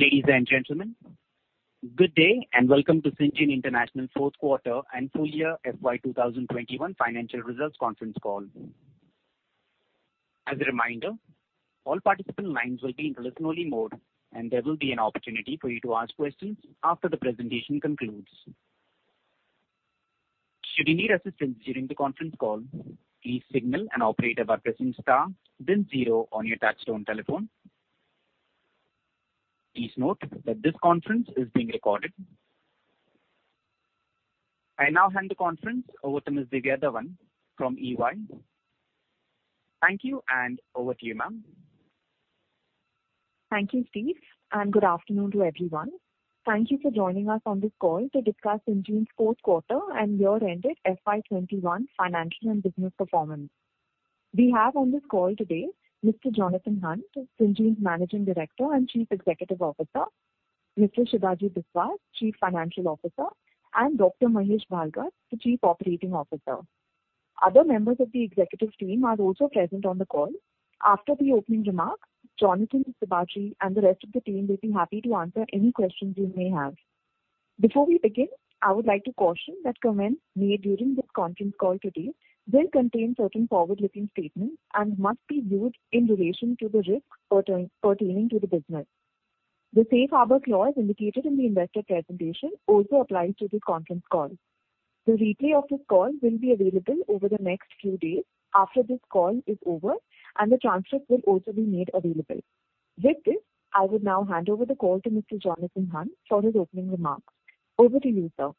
Ladies and gentlemen, good day and welcome to Syngene International's fourth quarter and full year FY 2021 financial results conference call. As a reminder, all participant lines will be in listen-only mode, and there will be an opportunity for you to ask questions after the presentation concludes. Should you need assistance during the conference call, please signal an operator by pressing star then zero on your touch-tone telephone. Please note that this conference is being recorded. I now hand the conference over to Ms. Divya Dhawan from EY. Thank you, and over to you, ma'am. Thank you, Steve, good afternoon to everyone. Thank you for joining us on this call to discuss Syngene's fourth quarter and year-ended FY21 financial and business performance. We have on this call today Mr. Jonathan Hunt, Syngene's Managing Director and Chief Executive Officer, Mr. Sibaji Biswas, Chief Financial Officer, and Dr. Mahesh Bhalgat, the Chief Operating Officer. Other members of the executive team are also present on the call. After the opening remarks, Jonathan, Sibaji, and the rest of the team will be happy to answer any questions you may have. Before we begin, I would like to caution that comments made during this conference call today will contain certain forward-looking statements and must be viewed in relation to the risks pertaining to the business. The safe harbor clause indicated in the investor presentation also applies to this conference call. The replay of this call will be available over the next few days after this call is over, and the transcript will also be made available. With this, I would now hand over the call to Mr. Jonathan Hunt for his opening remarks. Over to you, sir.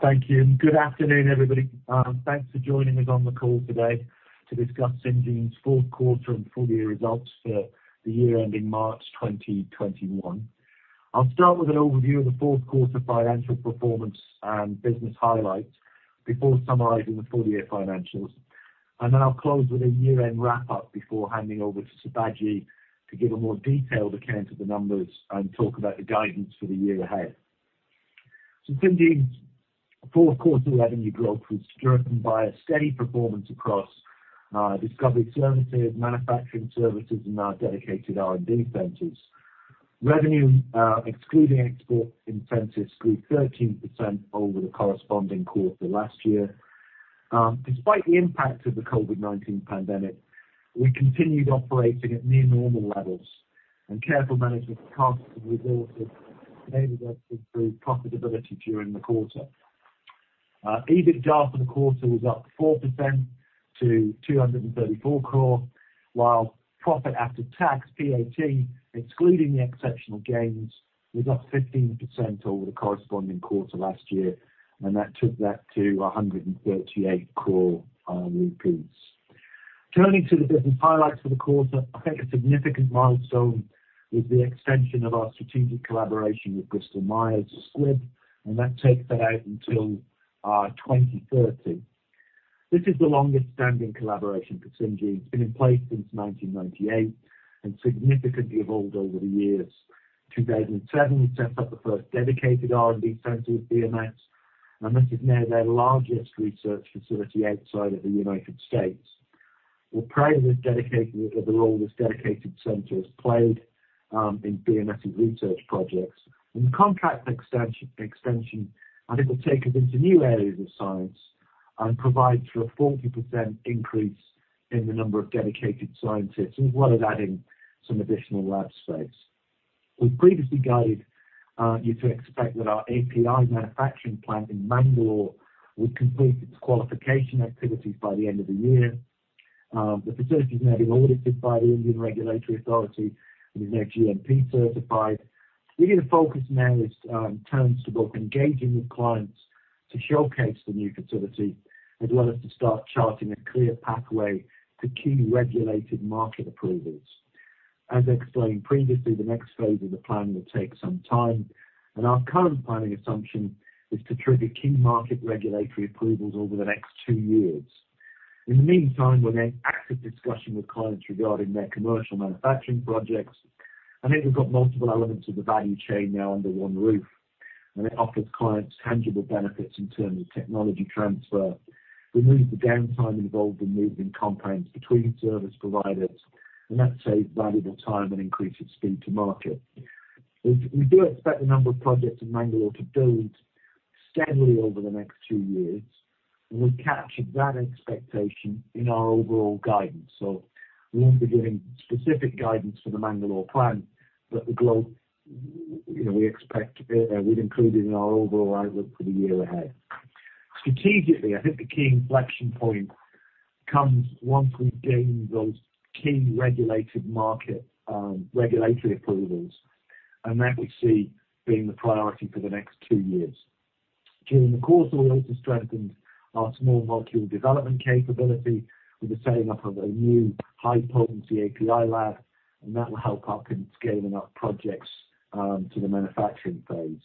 Thank you. Good afternoon, everybody. Thanks for joining us on the call today to discuss Syngene's fourth quarter and full-year results for the year ending March 2021. I'll start with an overview of the fourth quarter financial performance and business highlights before summarizing the full-year financials. I'll close with a year-end wrap-up before handing over to Sibaji to give a more detailed account of the numbers and talk about the guidance for the year ahead. Syngene's fourth quarter revenue growth was driven by a steady performance across discovery services, manufacturing services, and our dedicated R&D centers. Revenue, excluding export incentives, grew 13% over the corresponding quarter last year. Despite the impact of the COVID-19 pandemic, we continued operating at near-normal levels, and careful management of costs and resources enabled us to improve profitability during the quarter. EBITDA for the quarter was up four percent to 234 crore, while profit after tax, PAT, excluding the exceptional gains, was up 15% over the corresponding quarter last year. That took that to 138 crore rupees. Turning to the business highlights for the quarter, I think a significant milestone is the extension of our strategic collaboration with Bristol Myers Squibb. That takes that out until 2030. This is the longest-standing collaboration for Syngene. It's been in place since 1998 and significantly evolved over the years. 2007, we set up the first dedicated R&D center with BMS. This is now their largest research facility outside of the United States. We're proud of the role this dedicated center has played in BMS' research projects and the contract extension and it will take us into new areas of science and provide for a 40% increase in the number of dedicated scientists, as well as adding some additional lab space. We previously guided you to expect that our API manufacturing plant in Mangalore would complete its qualification activities by the end of the year. The facility is now being audited by the Indian Regulatory Authority and is now GMP-certified. Really the focus now is in terms of both engaging with clients to showcase the new facility as well as to start charting a clear pathway to key regulated market approvals. As explained previously, the next phase of the plan will take some time, and our current planning assumption is to trigger key market regulatory approvals over the next two years. In the meantime, we're in active discussion with clients regarding their commercial manufacturing projects, and here we've got multiple elements of the value chain now under one roof, and it offers clients tangible benefits in terms of technology transfer, removes the downtime involved in moving compounds between service providers, and that saves valuable time and increases speed to market. We do expect the number of projects in Mangalore to build steadily over the next two years, and we've captured that expectation in our overall guidance. We won't be giving specific guidance for the Mangalore plant, but we've included it in our overall outlook for the year ahead. Strategically, I think the key inflection point comes once we gain those key regulatory approvals, and that we see being the priority for the next two years. During the course, we've also strengthened our small molecule development capability with the setting up of a new high-potency API lab. That will help us in scaling up projects to the manufacturing phase.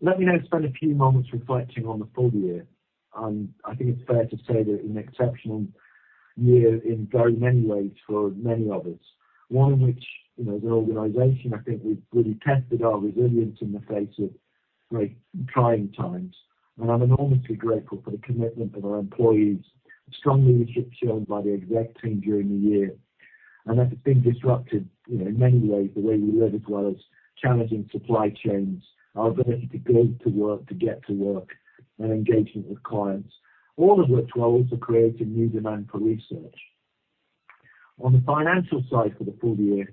Let me now spend a few moments reflecting on the full year. I think it's fair to say that an exceptional year in very many ways for many of us. One in which as an organization, I think we've really tested our resilience in the face of Great trying times, and I'm enormously grateful for the commitment of our employees, the strong leadership shown by the exec team during the year, and that's been disrupted in many ways, the way we live as well as challenging supply chains, our ability to go to work, to get to work, and engagement with clients, all of which were also creating new demand for research. On the financial side for the full year,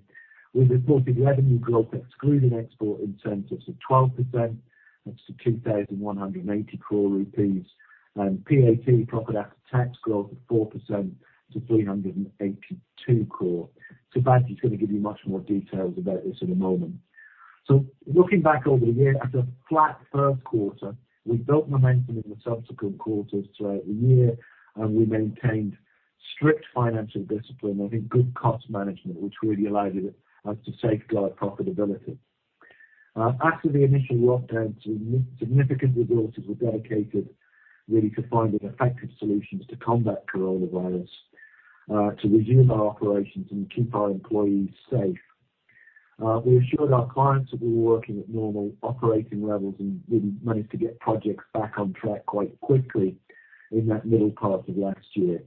we've reported revenue growth excluding export incentives of 12% up to 2,180 crore rupees and PAT, profit after tax, growth of four percent to 382 crore. Sibaji Biswas is going to give you much more details about this in a moment. Looking back over the year, after a flat first quarter, we built momentum in the subsequent quarters throughout the year, and we maintained strict financial discipline, I think good cost management, which really allowed us to safeguard profitability. After the initial lockdown, significant resources were dedicated really to finding effective solutions to combat coronavirus, to resume our operations, and keep our employees safe. We assured our clients that we were working at normal operating levels and really managed to get projects back on track quite quickly in that middle part of last year.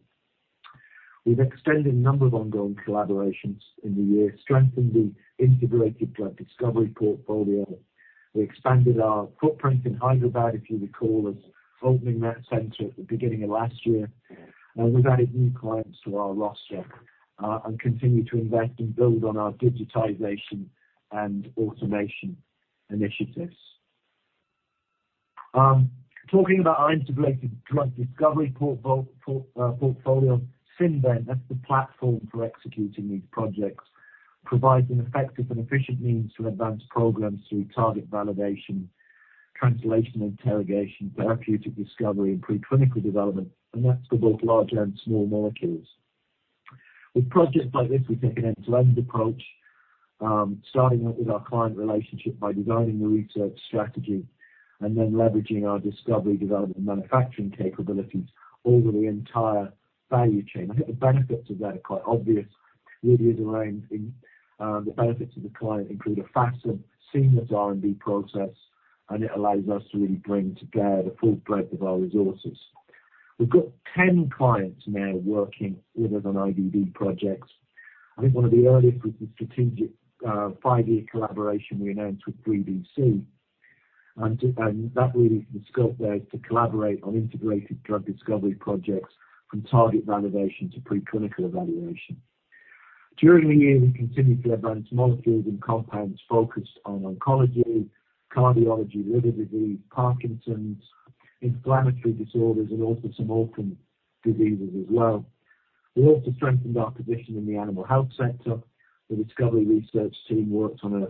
We've extended a number of ongoing collaborations in the year, strengthened the integrated drug discovery portfolio. We expanded our footprint in Hyderabad, if you recall, us opening that center at the beginning of last year. We've added new clients to our roster, and continue to invest and build on our digitization and automation initiatives. Talking about our integrated drug discovery portfolio, Synvent, that's the platform for executing these projects, provides an effective and efficient means to advance programs through target validation, translation interrogation, therapeutic discovery, and preclinical development, and that's for both large and small molecules. With projects like this, we take an end-to-end approach, starting with our client relationship by designing the research strategy and then leveraging our discovery, development, and manufacturing capabilities over the entire value chain. I think the benefits of that are quite obvious, really is around the benefits to the client include a faster, seamless R&D process, and it allows us to really bring together the full breadth of our resources. We've got 10 clients now working with us on IDD projects. I think one of the earliest was the strategic five-year collaboration we announced with 3BC. That really is the scope there to collaborate on integrated drug discovery projects from target validation to preclinical evaluation. During the year, we continued to advance molecules and compounds focused on oncology, cardiology, liver disease, Parkinson's, inflammatory disorders, and also some orphan diseases as well. We also strengthened our position in the animal health sector. The discovery research team worked on a,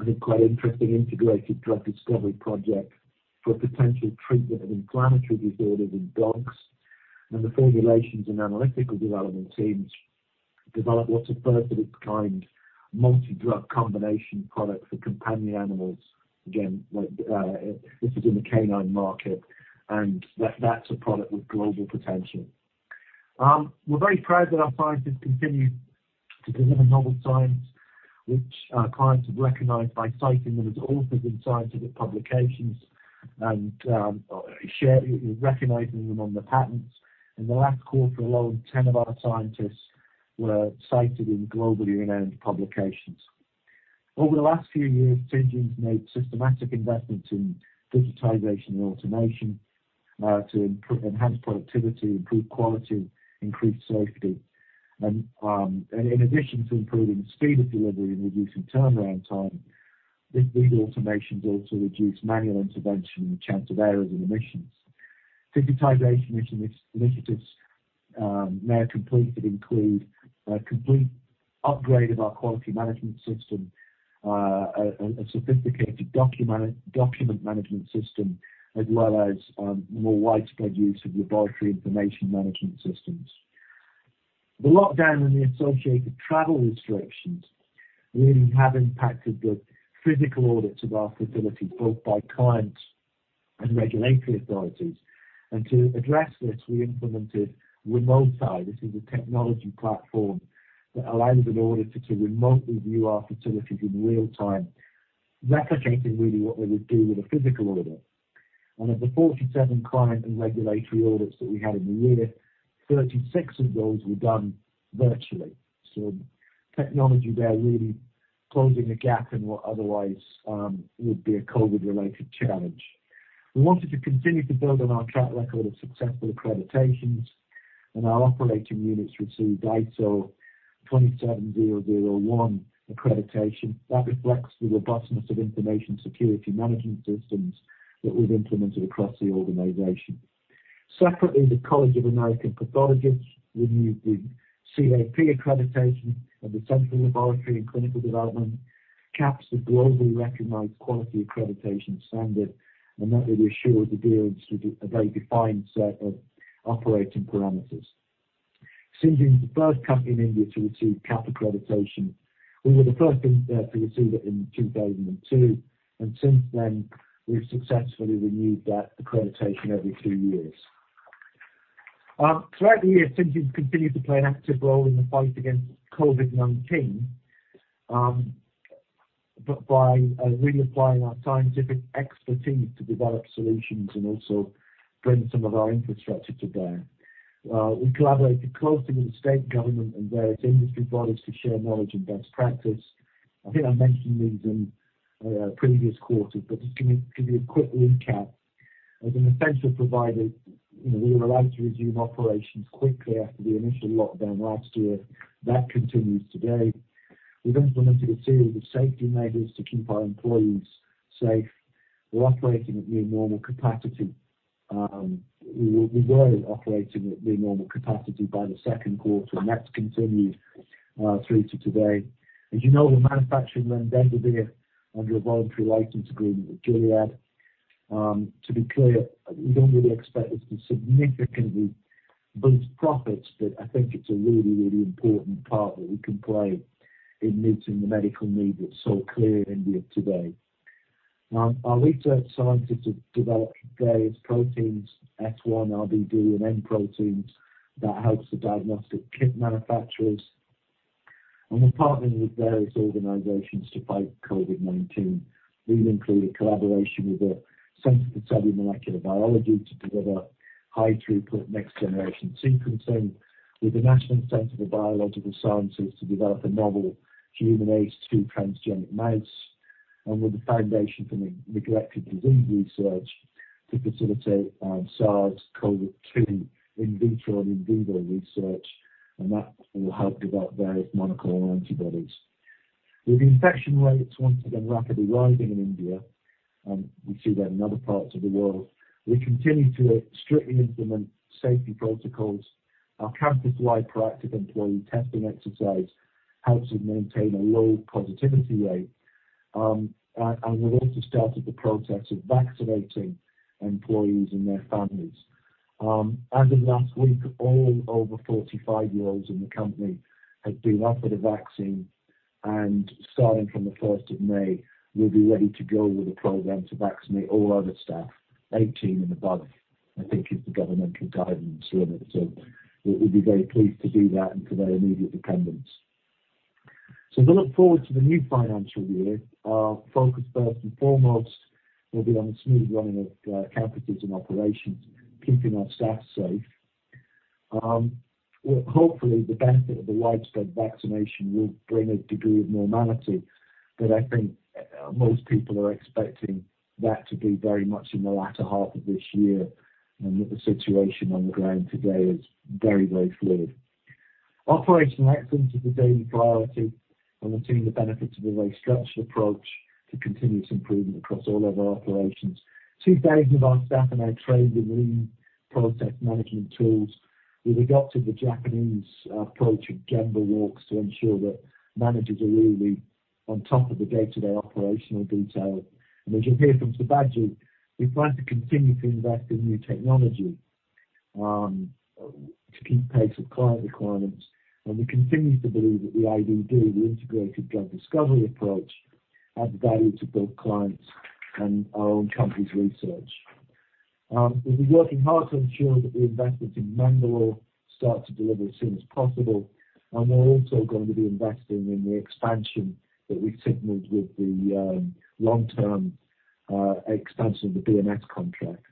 I think, quite interesting integrated drug discovery project for potential treatment of inflammatory disorders in dogs. The formulations and analytical development teams developed what's a first of its kind multi-drug combination product for companion animals. This is in the canine market, and that's a product with global potential. We're very proud that our scientists continue to deliver novel science, which our clients have recognized by citing them as authors in scientific publications and recognizing them on the patents. In the last quarter alone, 10 of our scientists were cited in globally renowned publications. Over the last few years, Syngene's made systematic investments in digitization and automation, to enhance productivity, improve quality, increase safety. In addition to improving speed of delivery and reducing turnaround time, these automations also reduce manual intervention and chance of errors and omissions. Digitization initiatives now completed include a complete upgrade of our quality management system, a sophisticated document management system, as well as more widespread use of laboratory information management systems. The lockdown and the associated travel restrictions really have impacted the physical audits of our facilities, both by clients and regulatory authorities. To address this, we implemented Remote eye. This is a technology platform that allows an auditor to remotely view our facilities in real time, replicating really what they would do with a physical audit. Of the 47 client and regulatory audits that we had in the year, 36 of those were done virtually. Technology there really closing a gap in what otherwise would be a COVID-related challenge. We wanted to continue to build on our track record of successful accreditations, our operating units received ISO 27001 accreditation. That reflects the robustness of information security management systems that we've implemented across the organization. Separately, the College of American Pathologists renewed the CAP accreditation of the Central Laboratory and Clinical Development. CAP's a globally recognized quality accreditation standard, that really assures adherence to a very defined set of operating parameters. Syngene's the first company in India to receive CAP accreditation. We were the first to receive it in 2002, since then, we've successfully renewed that accreditation every two years. Throughout the year, Syngene continued to play an active role in the fight against COVID-19, by really applying our scientific expertise to develop solutions and also bring some of our infrastructure to bear. We've collaborated closely with state government and various industry bodies to share knowledge and best practice. I think I mentioned these in previous quarters, just to give you a quick recap. As an essential provider, we were allowed to resume operations quickly after the initial lockdown last year. That continues today. We've implemented a series of safety measures to keep our employees safe. We're operating at near normal capacity. We were operating at near normal capacity by the second quarter, and that's continued through to today. As you know, we're manufacturing remdesivir under a voluntary license agreement with Gilead. To be clear, we don't really expect this to significantly boost profits, but I think it's a really important part that we can play in meeting the medical need that's so clear in India today. Now, our research scientists have developed various proteins, S1, RBD, and M proteins, that helps the diagnostic kit manufacturers. We're partnering with various organizations to fight COVID-19. These include a collaboration with the Centre for Cellular and Molecular Biology to deliver high-throughput next-generation sequencing with the National Centre for Biological Sciences to develop a novel human ACE2 transgenic mouse, and with the Foundation for the Neglected Disease Research to facilitate SARS-CoV-2 in vitro and in vivo research, and that will help develop various monoclonal antibodies. With infection rates once again rapidly rising in India, we see that in other parts of the world, we continue to strictly implement safety protocols. Our campus-wide proactive employee testing exercise helps us maintain a low positivity rate. We've also started the process of vaccinating employees and their families. As of last week, all over 45-year-olds in the company have been offered a vaccine, starting from the first of May, we'll be ready to go with a program to vaccinate all other staff, 18 and above, I think is the governmental guidance limit. We'll be very pleased to do that and for their immediate dependents. As we look forward to the new financial year, our focus first and foremost will be on the smooth running of campuses and operations, keeping our staff safe. Hopefully, the benefit of the widespread vaccination will bring a degree of normality, I think most people are expecting that to be very much in the latter half of this year, that the situation on the ground today is very fluid. Operational excellence is a daily priority, and we're seeing the benefits of a restructured approach to continuous improvement across all of our operations. Two-thirds of our staff are now trained in lean process management tools. We've adopted the Japanese approach of Gemba walks to ensure that managers are really on top of the day-to-day operational detail. As you'll hear from Sibaji Biswas, we plan to continue to invest in new technology to keep pace with client requirements. We continue to believe that the IDD, the integrated drug discovery approach, adds value to both clients and our own company's research. We'll be working hard to ensure that the investments in Bangalore start to deliver as soon as possible, and we're also going to be investing in the expansion that we signaled with the long-term expansion of the BMS contract.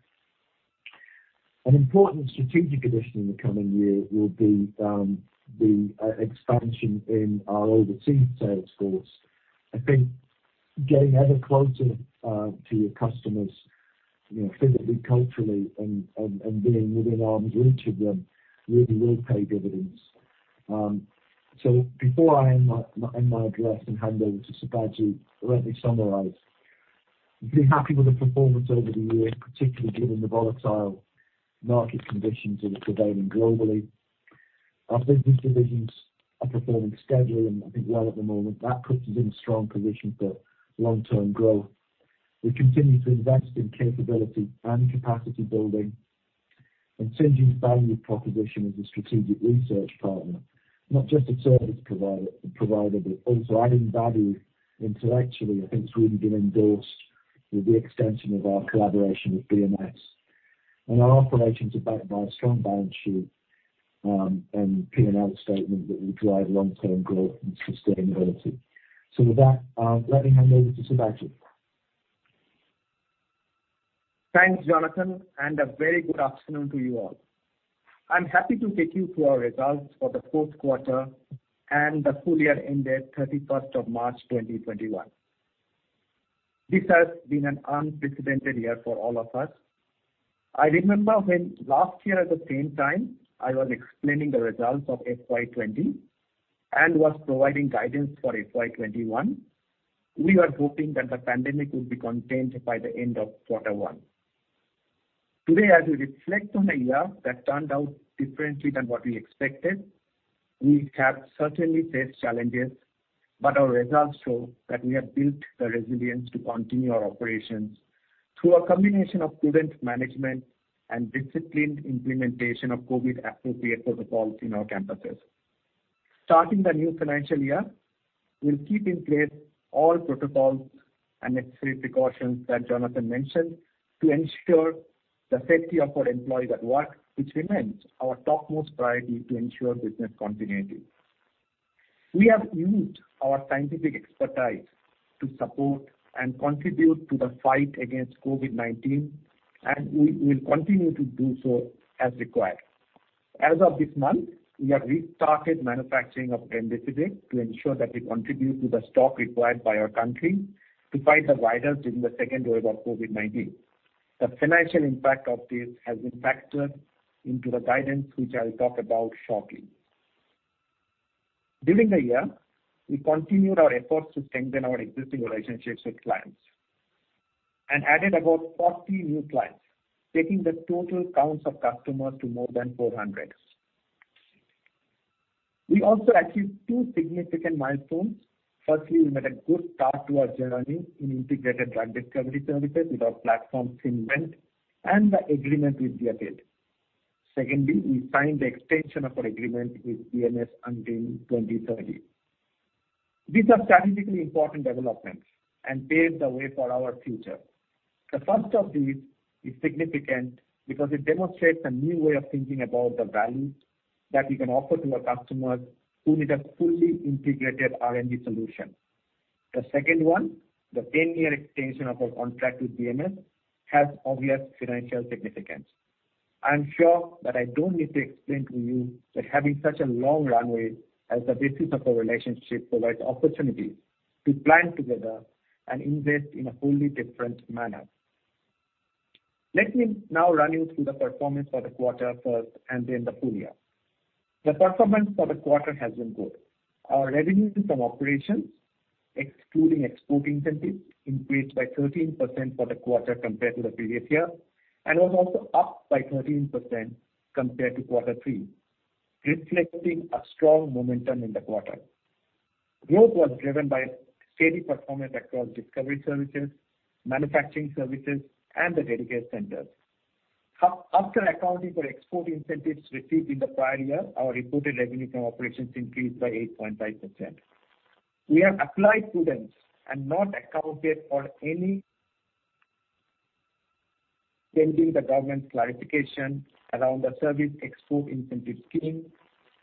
An important strategic addition in the coming year will be the expansion in our overseas sales force. I think getting ever closer to your customers physically, culturally, and being within arm's reach of them really will pay dividends. Before I end my address and hand over to Sibaji Biswas, let me summarize. We've been happy with the performance over the year, particularly given the volatile market conditions that are prevailing globally. Our business divisions are performing steadily and I think well at the moment. That puts us in a strong position for long-term growth. We continue to invest in capability and capacity building, and Syngene's value proposition as a strategic research partner, not just a service provider, but also adding value intellectually, I think it's really been endorsed with the extension of our collaboration with BMS. Our operations are backed by a strong balance sheet and P&L statement that will drive long-term growth and sustainability. With that, let me hand over to Sibaji. Thanks, Jonathan, and a very good afternoon to you all. I'm happy to take you through our results for the fourth quarter and the full year ended 31st of March 2021. This has been an unprecedented year for all of us. I remember when last year at the same time, I was explaining the results of FY 2020 and was providing guidance for FY 2021. We were hoping that the pandemic would be contained by the end of quarter one. Today, as we reflect on a year that turned out differently than what we expected, we have certainly faced challenges, but our results show that we have built the resilience to continue our operations through a combination of prudent management and disciplined implementation of COVID-appropriate protocols in our campuses. Starting the new financial year, we'll keep in place all protocols and necessary precautions that Jonathan mentioned to ensure the safety of our employees at work, which remains our topmost priority to ensure business continuity. We have used our scientific expertise to support and contribute to the fight against COVID-19, and we will continue to do so as required. As of this month, we have restarted manufacturing of remdesivir to ensure that we contribute to the stock required by our country to fight the virus during the second wave of COVID-19. The financial impact of this has been factored into the guidance, which I'll talk about shortly. During the year, we continued our efforts to strengthen our existing relationships with clients and added about 40 new clients, taking the total counts of customers to more than 400. We also achieved two significant milestones. Firstly, we made a good start to our journey in integrated drug discovery services with our platform, Synvent, and the agreement with Diaped. Secondly, we signed the extension of our agreement with BMS until 2030. These are strategically important developments and pave the way for our future. The first of these is significant because it demonstrates a new way of thinking about the value that we can offer to our customers who need a fully integrated R&D solution. The second one, the 10-year extension of our contract with BMS, has obvious financial significance. I am sure that I don't need to explain to you that having such a long runway as the basis of our relationship provides opportunities to plan together and invest in a fully different manner. Let me now run you through the performance for the quarter first, and then the full year. The performance for the quarter has been good. Our revenue from operations, excluding export incentive, increased by 13% for the quarter compared to the previous year, and was also up by 13% compared to quarter three, reflecting a strong momentum in the quarter. Growth was driven by steady performance across discovery services, manufacturing services, and the dedicated centers. After accounting for export incentives received in the prior year, our reported revenue from operations increased by eight point five percent. We have applied prudence and not accounted for any pending the government's clarification around the Service Export Incentive Scheme,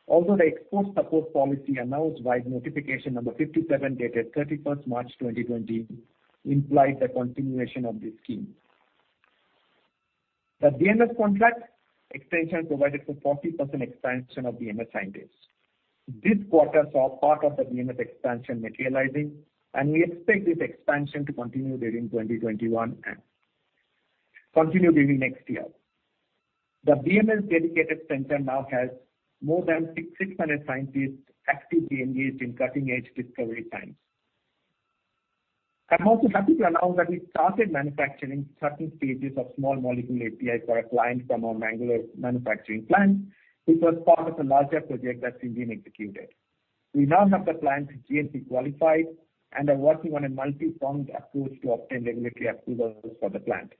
although the export support policy announced by notification number 57, dated 31st March 2020, implied the continuation of this scheme. The BMS contract extension provided for 40% expansion of BMS scientists. This quarter saw part of the BMS expansion materializing, and we expect this expansion to continue during 2021 and continue giving next year. The BMS dedicated center now has more than 600 scientists actively engaged in cutting-edge discovery science. I'm also happy to announce that we started manufacturing certain stages of small molecule API for a client from our Mangalore manufacturing plant, which was part of a larger project that's being executed. We now have the plant GMP qualified and are working on a multipronged approach to obtain regulatory approvals for the plant.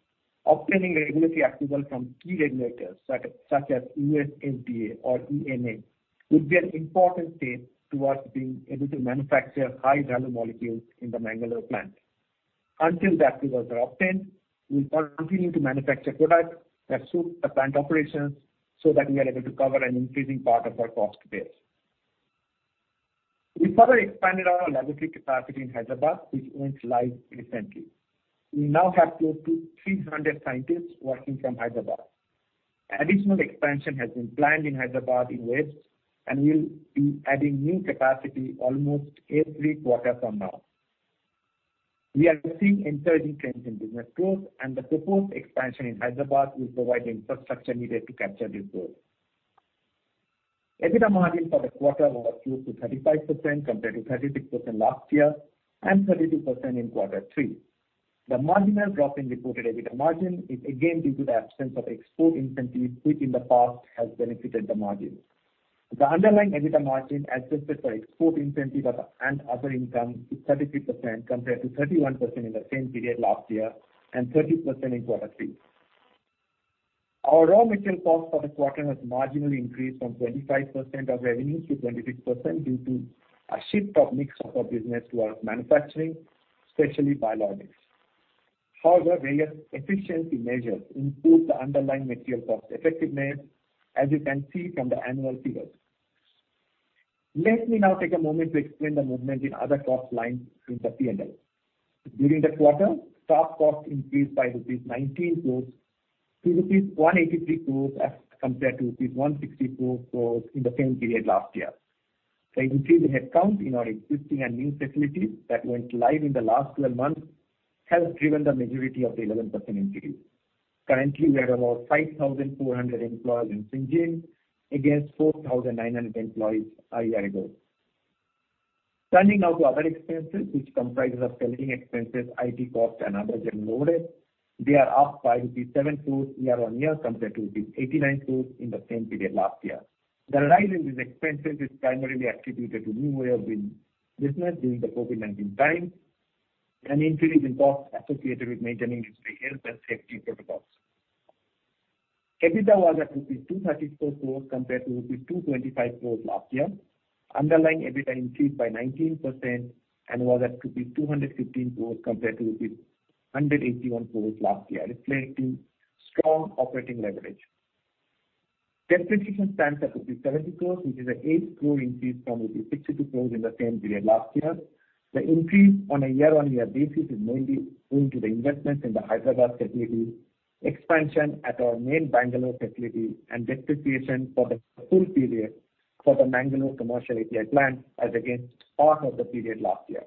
Obtaining regulatory approval from key regulators such as US FDA or EMA would be an important step towards being able to manufacture high-value molecules in the Mangalore plant. Until the approvals are obtained, we will continue to manufacture products that suit the plant operations so that we are able to cover an increasing part of our cost base. We further expanded our laboratory capacity in Hyderabad, which went live recently. We now have close to 300 scientists working from Hyderabad. Additional expansion has been planned in Hyderabad in waves, and we will be adding new capacity almost every quarter from now. We are seeing encouraging trends in business growth, and the proposed expansion in Hyderabad will provide the infrastructure needed to capture this growth. EBITDA margin for the quarter was close to 35% compared to 36% last year and 32% in quarter three. The marginal drop in reported EBITDA margin is again due to the absence of export incentives, which in the past has benefited the margin. The underlying EBITDA margin, adjusted for export incentive and other income, is 33% of the revenue, compared to 31% in the same period last year and 30% in quarter three. Our raw material cost for the quarter has marginally increased from 25% of revenue to 26% due to a shift of mix of our business towards manufacturing, especially biologics. Various efficiency measures improved the underlying material cost effectiveness, as you can see from the annual figures. Let me now take a moment to explain the movement in other cost lines in the P&L. During the quarter, staff costs increased by rupees 19 crores to rupees 183 crores as compared to rupees 164 crores in the same period last year. The increase in headcount in our existing and new facilities that went live in the last 12 months has driven the majority of the 11% increase. Currently, we have about 5,400 employees in Syngene against 4,900 employees a year ago. Turning now to other expenses, which comprises of selling expenses, IT costs, and other general overheads. They are up by 7 crore year-on-year, compared to 89 crore in the same period last year. The rise in these expenses is primarily attributed to new way of doing business during the COVID-19 times and increase in costs associated with maintaining industry health and safety protocols. EBITDA was at rupees 234 crore compared to rupees 225 crore last year. Underlying EBITDA increased by 19% and was at rupees 215 crore compared to rupees 181 crore last year, reflecting strong operating leverage. Depreciation stands at 70 crores, which is an INR 8 crore increase from 62 crores in the same period last year. The increase on a year-on-year basis is mainly due to the investments in the Hyderabad facility, expansion at our main Bangalore facility and depreciation for the full period for the Mangalore commercial API plant as against half of the period last year.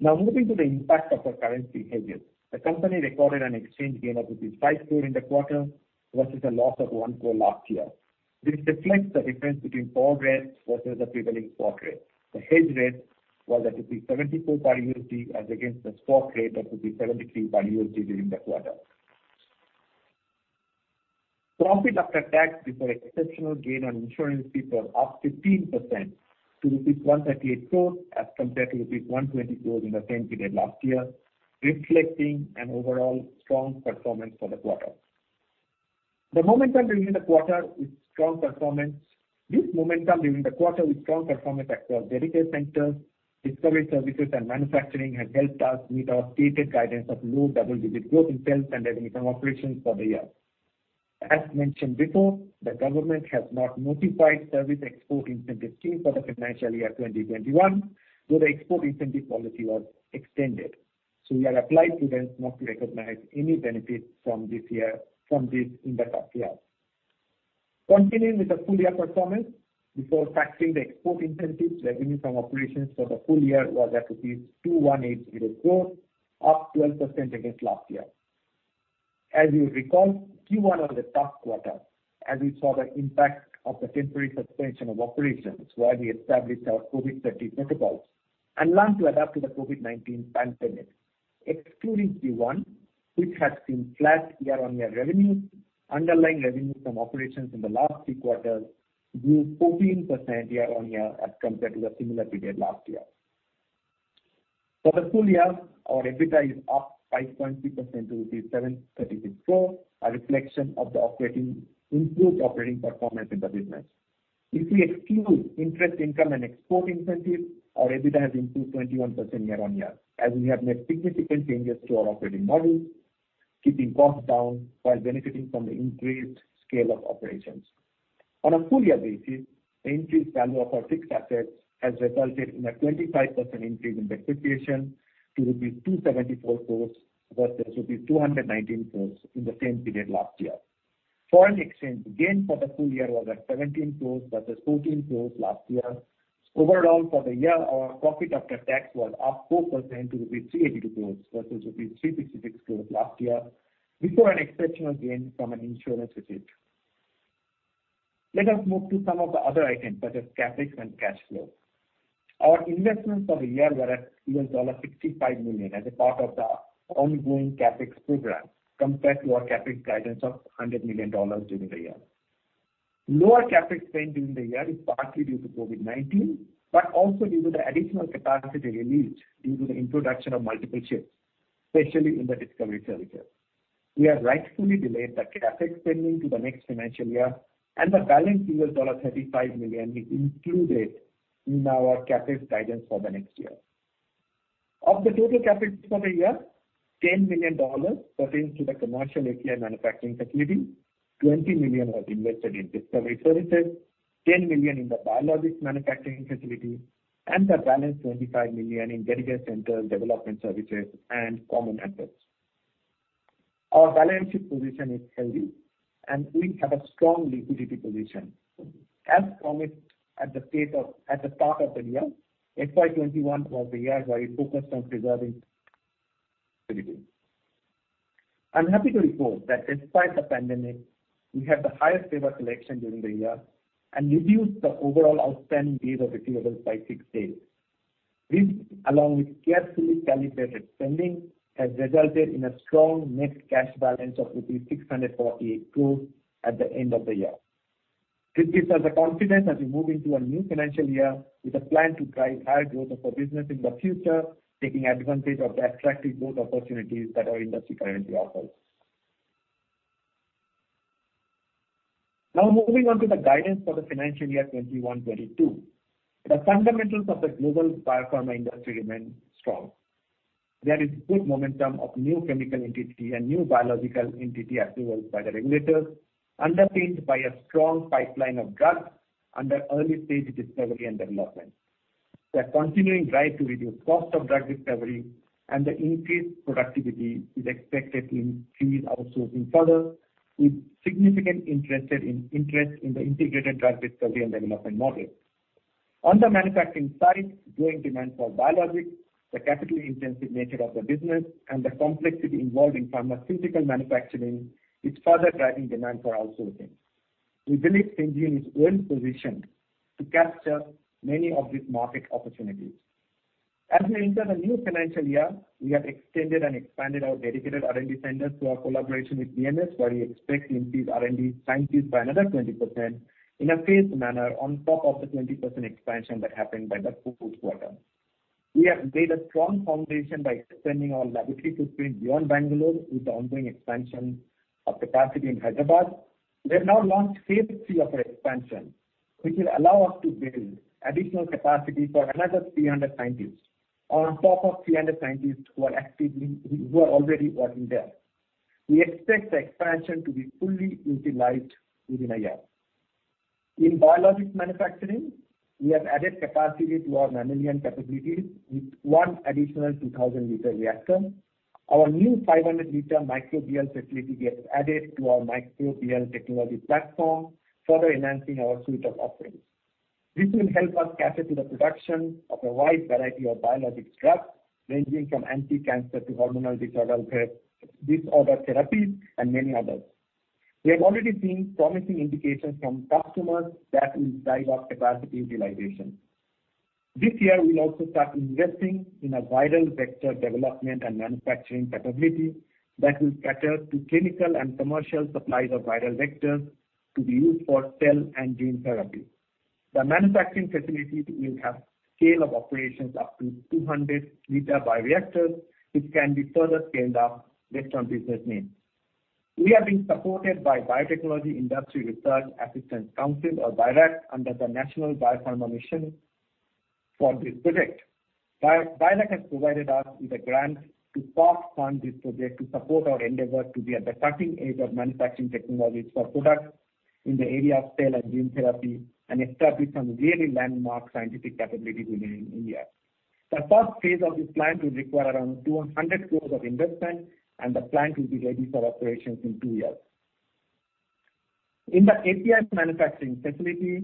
Moving to the impact of our currency hedges. The company recorded an exchange gain of 5 crore in the quarter versus a loss of 1 crore last year. This reflects the difference between forward rates versus the prevailing spot rate. The hedge rate was at rupees 74.80 as against the spot rate of rupees 73.80 during the quarter. Profit after tax before exceptional gain on insurance fee was up 15% to 138 crores as compared to 120 crores in the same period last year, reflecting an overall strong performance for the quarter. This momentum during the quarter with strong performance across dedicated centers, discovery services, and manufacturing has helped us meet our stated guidance of low double-digit growth in sales and revenue from operations for the year. As mentioned before, the government has not notified service export incentive scheme for the financial year 2021, though the export incentive policy was extended. We have applied to them not to recognize any benefit from this in the current year. Continuing with the full-year performance before factoring the export incentives, revenue from operations for the full year was at rupees 2,180 crores, up 12% against last year. As you recall, Q1 was a tough quarter as we saw the impact of the temporary suspension of operations while we established our COVID safety protocols and learned to adapt to the COVID-19 pandemic. Excluding Q1, which has seen flat year-on-year revenues, underlying revenues from operations in the last three quarters grew 14% year-on-year as compared to the similar period last year. For the full year, our EBITDA is up five point three percent to 736 crores, a reflection of the improved operating performance in the business. If we exclude interest income and export incentive, our EBITDA has improved 21% year-on-year as we have made significant changes to our operating model, keeping costs down while benefiting from the increased scale of operations. On a full-year basis, the increased value of our fixed assets has resulted in a 25% increase in depreciation to rupees 274 crores versus rupees 219 crores in the same period last year. Foreign exchange gain for the full year was at 17 crores versus 14 crores last year. Overall, for the year, our profit after tax was up four percent to rupees 382 crores versus rupees 366 crores last year before an exceptional gain from an insurance receipt. Let us move to some of the other items such as CapEx and cash flow. Our investments for the year were at $11.65 million as a part of the ongoing CapEx program, compared to our CapEx guidance of $100 million during the year. Lower CapEx spend during the year is partly due to COVID-19, but also due to the additional capacity released due to the introduction of multiple shifts, especially in the discovery services. We have rightfully delayed the CapEx spending to the next financial year, and the balance $11.35 million is included in our CapEx guidance for the next year. Of the total CapEx for the year, $10 million pertains to the commercial API manufacturing facility, $20 million was invested in discovery services, $10 million in the biologics manufacturing facility, and the balance $25 million in dedicated centers, development services, and common methods. Our balance sheet position is healthy, and we have a strong liquidity position. As promised at the start of the year, FY21 was the year where we focused on preserving liquidity. I'm happy to report that despite the pandemic, we had the highest ever collection during the year and reduced the overall outstanding days of receivables by six days. This, along with carefully calibrated spending, has resulted in a strong net cash balance of rupees 648 crores at the end of the year. This gives us the confidence as we move into a new financial year with a plan to drive higher growth of our business in the future, taking advantage of the attractive growth opportunities that our industry currently offers. Moving on to the guidance for the financial year 2021/2022. The fundamentals of the global biopharma industry remain strong. There is good momentum of new chemical entity and new biological entity approvals by the regulators, underpinned by a strong pipeline of drugs under early-stage discovery and development. The continuing drive to reduce cost of drug discovery and the increased productivity is expected to increase also in further with significant interest in the integrated drug discovery and development model. On the manufacturing side, growing demand for biologics, the capital-intensive nature of the business, and the complexity involved in pharmaceutical manufacturing is further driving demand for outsourcing. We believe Syngene is well-positioned to capture many of these market opportunities. As we enter the new financial year, we have extended and expanded our dedicated R&D centers through our collaboration with BMS, where we expect to increase R&D scientists by another 20% in a phased manner on top of the 20% expansion that happened by the fourth quarter. We have laid a strong foundation by extending our laboratory footprint beyond Bangalore with the ongoing expansion of capacity in Hyderabad. We have now launched phase three of our expansion, which will allow us to build additional capacity for another 300 scientists on top of 300 scientists who are already working there. We expect the expansion to be fully utilized within a year. In biologics manufacturing, we have added capacity to our mammalian capabilities with one additional 2,000-liter reactor. Our new 500-liter microbial facility gets added to our microbial technology platform, further enhancing our suite of offerings. This will help us cater to the production of a wide variety of biologic drugs, ranging from anti-cancer to hormonal disorder therapies, and many others. We have already seen promising indications from customers that will drive up capacity utilization. This year, we'll also start investing in a viral vector development and manufacturing capability that will cater to clinical and commercial supplies of viral vectors to be used for cell and gene therapy. The manufacturing facility will have scale of operations up to 200 liter bioreactors, which can be further scaled up based on business needs. We are being supported by Biotechnology Industry Research Assistance Council, or BIRAC, under the National Biopharma Mission for this project. BIRAC has provided us with a grant to pathfind this project to support our endeavor to be at the cutting edge of manufacturing technologies for products in the area of cell and gene therapy, and establish some really landmark scientific capability within India. The first phase of this plant will require around 200 crore of investment, and the plant will be ready for operations in two years. In the API manufacturing facility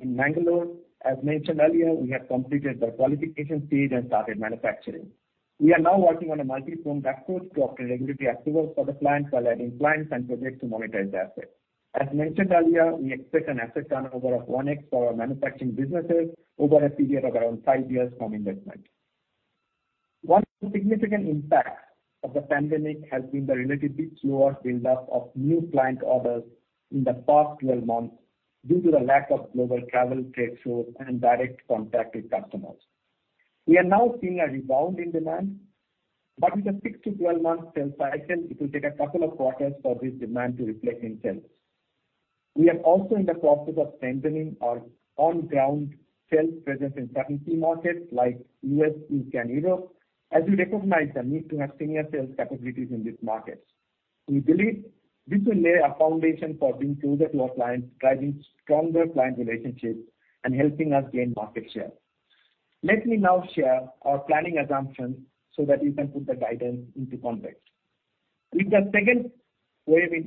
in Bangalore, as mentioned earlier, we have completed the qualification stage and started manufacturing. We are now working on a multi-pronged approach to obtain regulatory approvals for the plant while adding clients and projects to monetize the asset. As mentioned earlier, we expect an asset turnover of 1x for our manufacturing businesses over a period of around five years from investment. One significant impact of the pandemic has been the relatively slower build-up of new plant orders in the past 12 months due to the lack of global travel, trade shows, and direct contact with customers. We are now seeing a rebound in demand, but with a six to 12-month sales cycle, it will take a couple of quarters for this demand to reflect in sales. We are also in the process of strengthening our on-ground sales presence in certain key markets like U.S., U.K., and Europe, as we recognize the need to have senior sales capabilities in these markets. We believe this will lay a foundation for being closer to our clients, driving stronger client relationships, and helping us gain market share. Let me now share our planning assumptions so that you can put the guidance into context. While the second wave in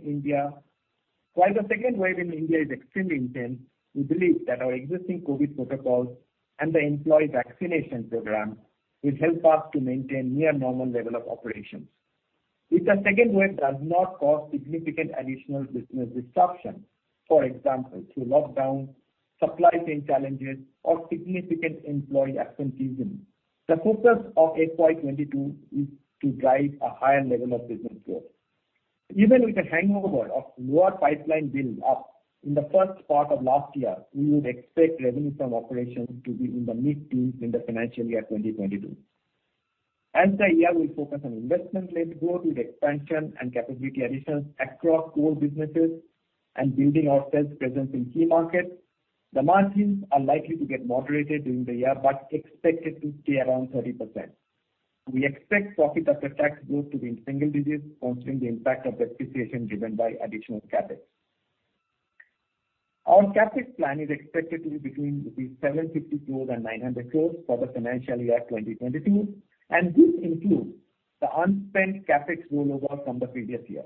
India is extremely intense, we believe that our existing COVID protocols and the employee vaccination program will help us to maintain near normal level of operations. If the second wave does not cause significant additional business disruption, for example, through lockdown, supply chain challenges, or significant employee absenteeism, the focus of FY 2022 is to drive a higher level of business growth. Even with a hangover of lower pipeline build up in the first part of last year, we would expect revenue from operations to be in the mid-teens in the financial year 2022. As the year, we focus on investment-led growth with expansion and capacity additions across core businesses and building our sales presence in key markets. The margins are likely to get moderated during the year, but expected to stay around 30%. We expect profit after tax growth to be in single digits considering the impact of depreciation driven by additional CapEx. Our CapEx plan is expected to be between 750 crores and 900 crores for the financial year 2022, and this includes the unspent CapEx rollover from the previous year.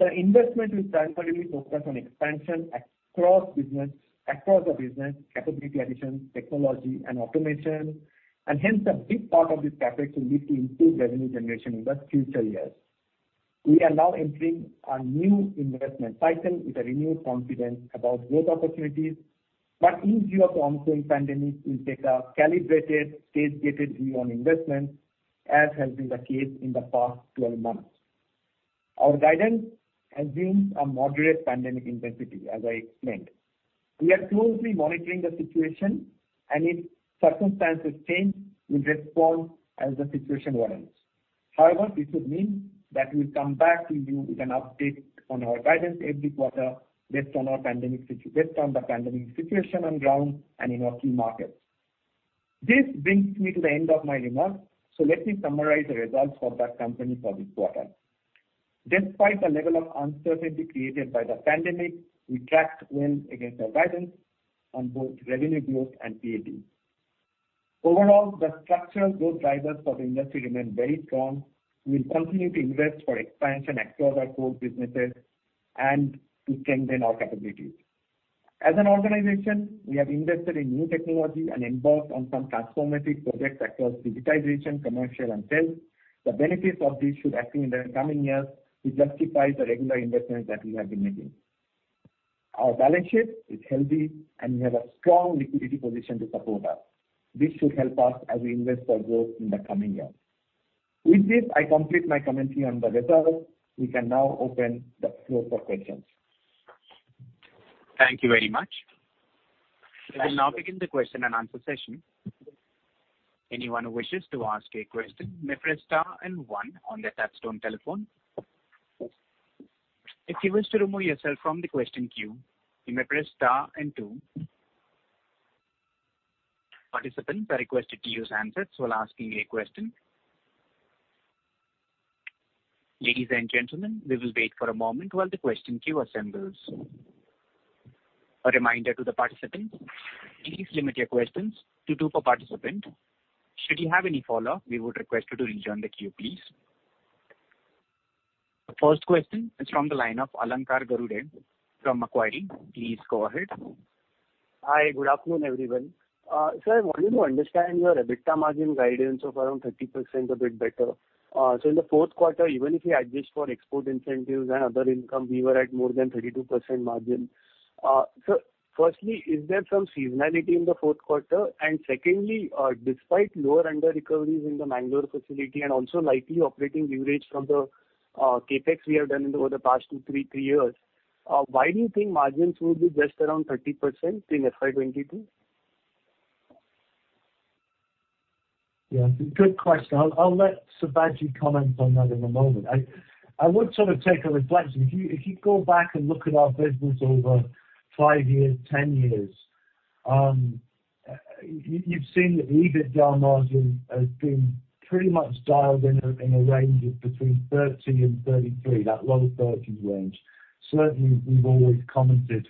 The investment will primarily focus on expansion across the business, capacity additions, technology and automation, and hence a big part of this CapEx will lead to improved revenue generation in the future years. We are now entering a new investment cycle with a renewed confidence about growth opportunities, but in view of the ongoing pandemic, we'll take a calibrated, stage-gated view on investment, as has been the case in the past 12 months. Our guidance assumes a moderate pandemic intensity, as I explained. We are closely monitoring the situation, and if circumstances change, we'll respond as the situation warrants. This would mean that we'll come back to you with an update on our guidance every quarter based on the pandemic situation on ground and in our key markets. This brings me to the end of my remarks, so let me summarize the results for the company for this quarter. Despite the level of uncertainty created by the pandemic, we tracked well against our guidance on both revenue growth and PAT. Overall, the structural growth drivers for the industry remain very strong. We will continue to invest for expansion across our core businesses and to strengthen our capabilities. As an organization, we have invested in new technology and embarked on some transformative projects across digitization, commercial, and sales. The benefits of this should accrete in the coming years to justify the regular investments that we have been making. Our balance sheet is healthy, and we have a strong liquidity position to support us. This should help us as we invest for growth in the coming years. With this, I complete my commentary on the results. We can now open the floor for questions. Thank you very much. We will now begin the question and answer session. Anyone who wishes to ask a question may press star and one on their touchtone telephone. If you wish to remove yourself from the question queue, you may press star and two. Participants are requested to use handsets while asking a question. Ladies and gentlemen, we will wait for a moment while the question queue assembles. A reminder to the participants, please limit your questions to two per participant. Should you have any follow-up, we would request you to rejoin the queue, please. The first question is from the line of Alankar Garude from Macquarie. Please go ahead. Hi. Good afternoon, everyone. Sir, I wanted to understand your EBITDA margin guidance of around 30% a bit better. In the fourth quarter, even if you adjust for export incentives and other income, we were at more than 32% margin. Sir, firstly, is there some seasonality in the fourth quarter? Secondly, despite lower under recoveries in the Bangalore facility and also likely operating leverage from the CapEx we have done over the past two, three years, why do you think margins will be just around 30% in FY 2022? Yeah, good question. I'll let Sibaji comment on that in a moment. I would sort of take a reflection. If you go back and look at our business over five years, 10 years, you've seen that the EBITDA margin has been pretty much dialed in a range of between 30 and 33, that lower 30s range. Certainly, we've always commented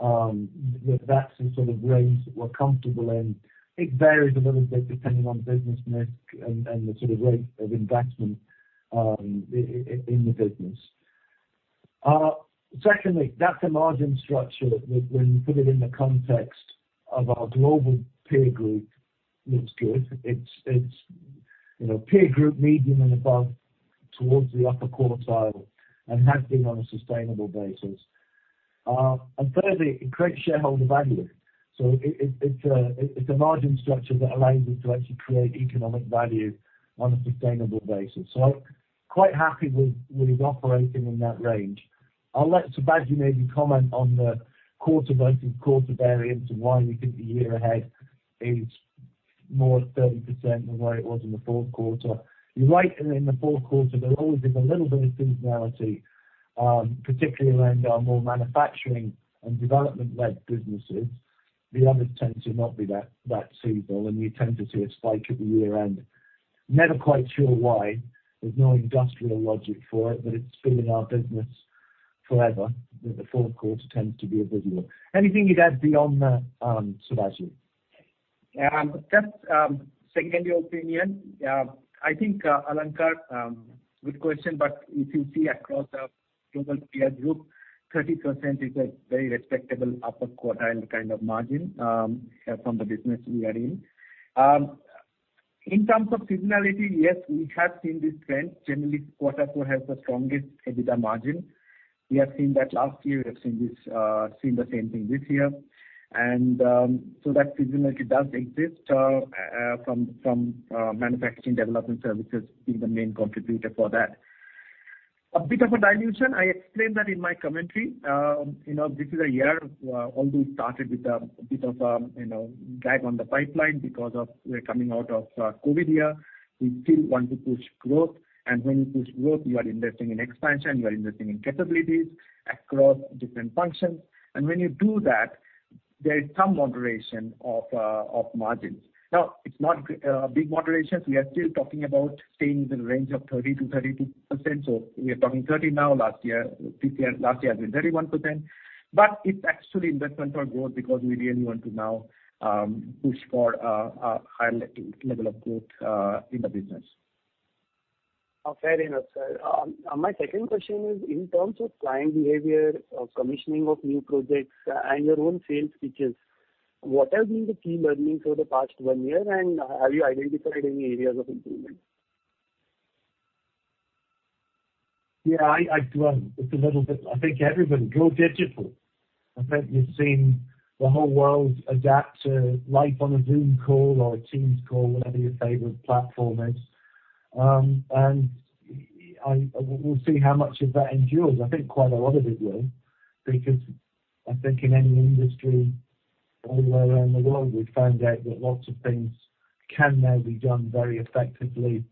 that that's the sort of range that we're comfortable in. It varies a little bit depending on business mix and the sort of rate of investment in the business. That's a margin structure that when you put it in the context of our global peer group, looks good. It's peer group medium and above towards the upper quartile and has been on a sustainable basis. Thirdly, it creates shareholder value. It's a margin structure that allows us to actually create economic value on a sustainable basis. I'm quite happy with operating in that range. I'll let Sibaji maybe comment on the quarter-by-quarter variance and why we think the year ahead is more 30% than where it was in the fourth quarter. You're right in that in the fourth quarter, there always is a little bit of seasonality, particularly around our more manufacturing and development-led businesses. The others tend to not be that seasonal, and you tend to see a spike at the year-end. Never quite sure why. There's no industrial logic for it, but it's been in our business forever, that the fourth quarter tends to be a biggie one. Anything you'd add beyond that, Sibaji. Just second opinion, I think, Alankar, good question. If you see across our global peer group, 30% is a very respectable upper quartile kind of margin from the business we are in. In terms of seasonality, yes, we have seen this trend. Generally, quarter four has the strongest EBITDA margin. We have seen that last year. We have seen the same thing this year. That seasonality does exist from manufacturing development services being the main contributor for that. A bit of a dilution, I explained that in my commentary. This is a year where although we started with a bit of drag on the pipeline because we're coming out of a COVID-19 year, we still want to push growth. When you push growth, you are investing in expansion, you are investing in capabilities across different functions. When you do that, there is some moderation of margins. It's not big moderations. We are still talking about staying in the range of 30% to 32%. We are talking 30% now. Last year has been 31%. It's actually investment for growth because we really want to now push for a higher level of growth in the business. Fair enough, sir. My second question is in terms of client behavior, commissioning of new projects, and your own sales pitches, what have been the key learnings for the past one year, and have you identified any areas of improvement? Yeah. It's a little bit, I think everyone, go digital. I think you've seen the whole world adapt to life on a Zoom call or a Teams call, whatever your favorite platform is. We'll see how much of that endures. I think quite a lot of it will, because I think in any industry all around the world, we've found out that lots of things can now be done very effectively,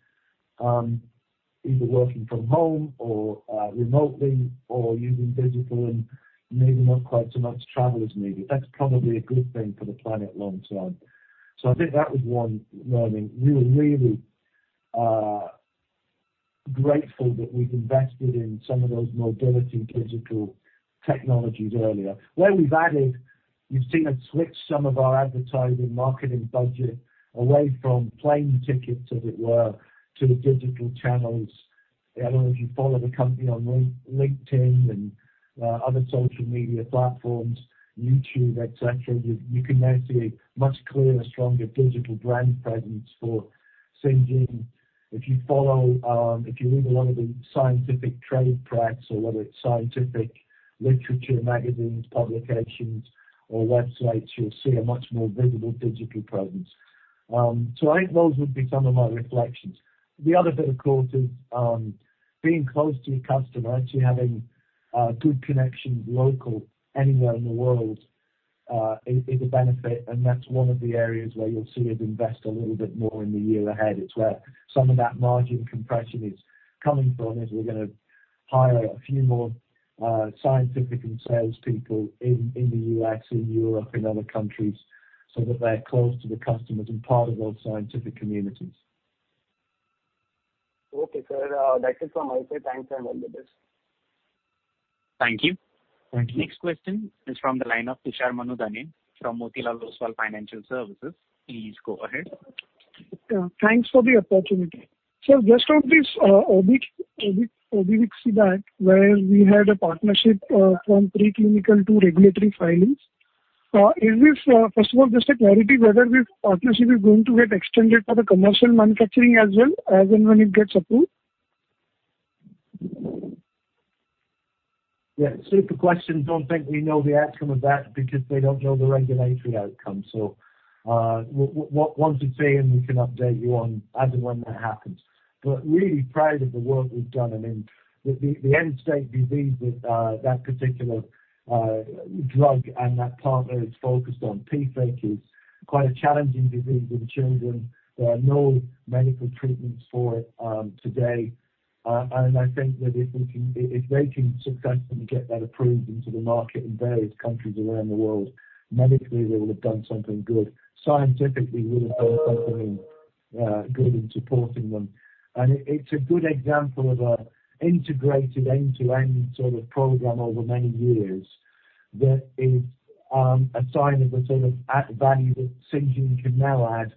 either working from home or remotely or using digital and maybe not quite so much travel as needed. That's probably a good thing for the planet long term. I think that was one learning. We were really grateful that we'd invested in some of those mobility digital technologies earlier. Where we've added, you've seen us switch some of our advertising marketing budget away from plane tickets, as it were, to the digital channels. I don't know if you follow the company on LinkedIn and other social media platforms, YouTube, et cetera, you can now see a much clearer, stronger digital brand presence for Syngene. If you read a lot of the scientific trade press or a lot of scientific literature, magazines, publications, or websites, you'll see a much more visible digital presence. I think those would be some of my reflections. The other bit, of course, is being close to your customer, actually having a good connection local anywhere in the world, is a benefit. That's one of the areas where you'll see us invest a little bit more in the year ahead. It's where some of that margin compression is coming from, as we're going to hire a few more scientific and sales people in the U.S., in Europe, and other countries so that they're close to the customers and part of those scientific communities. Okay, sir. That's it from my side. Thanks. All the best. Thank you. Thank you. Next question is from the line of Tushar Manudhane from Motilal Oswal Financial Services. Please go ahead. Thanks for the opportunity. Sir, just on this where we had a partnership from pre-clinical to regulatory filings. First of all, just a clarity whether this partnership is going to get extended for the commercial manufacturing as well, as and when it gets approved. Super question. Don't think we know the outcome of that because we don't know the regulatory outcome. Once it's seen, we can update you on as and when that happens. Really proud of the work we've done. The end-stage disease with that particular drug and that partner is focused on, PFIC, is quite a challenging disease in children. There are no medical treatments for it today. I think that if they can successfully get that approved into the market in various countries around the world, medically, we will have done something good. Scientifically, we'll have done something good in supporting them. It's a good example of an integrated end-to-end sort of program over many years that is a sign of the sort of add value that Syngene can now add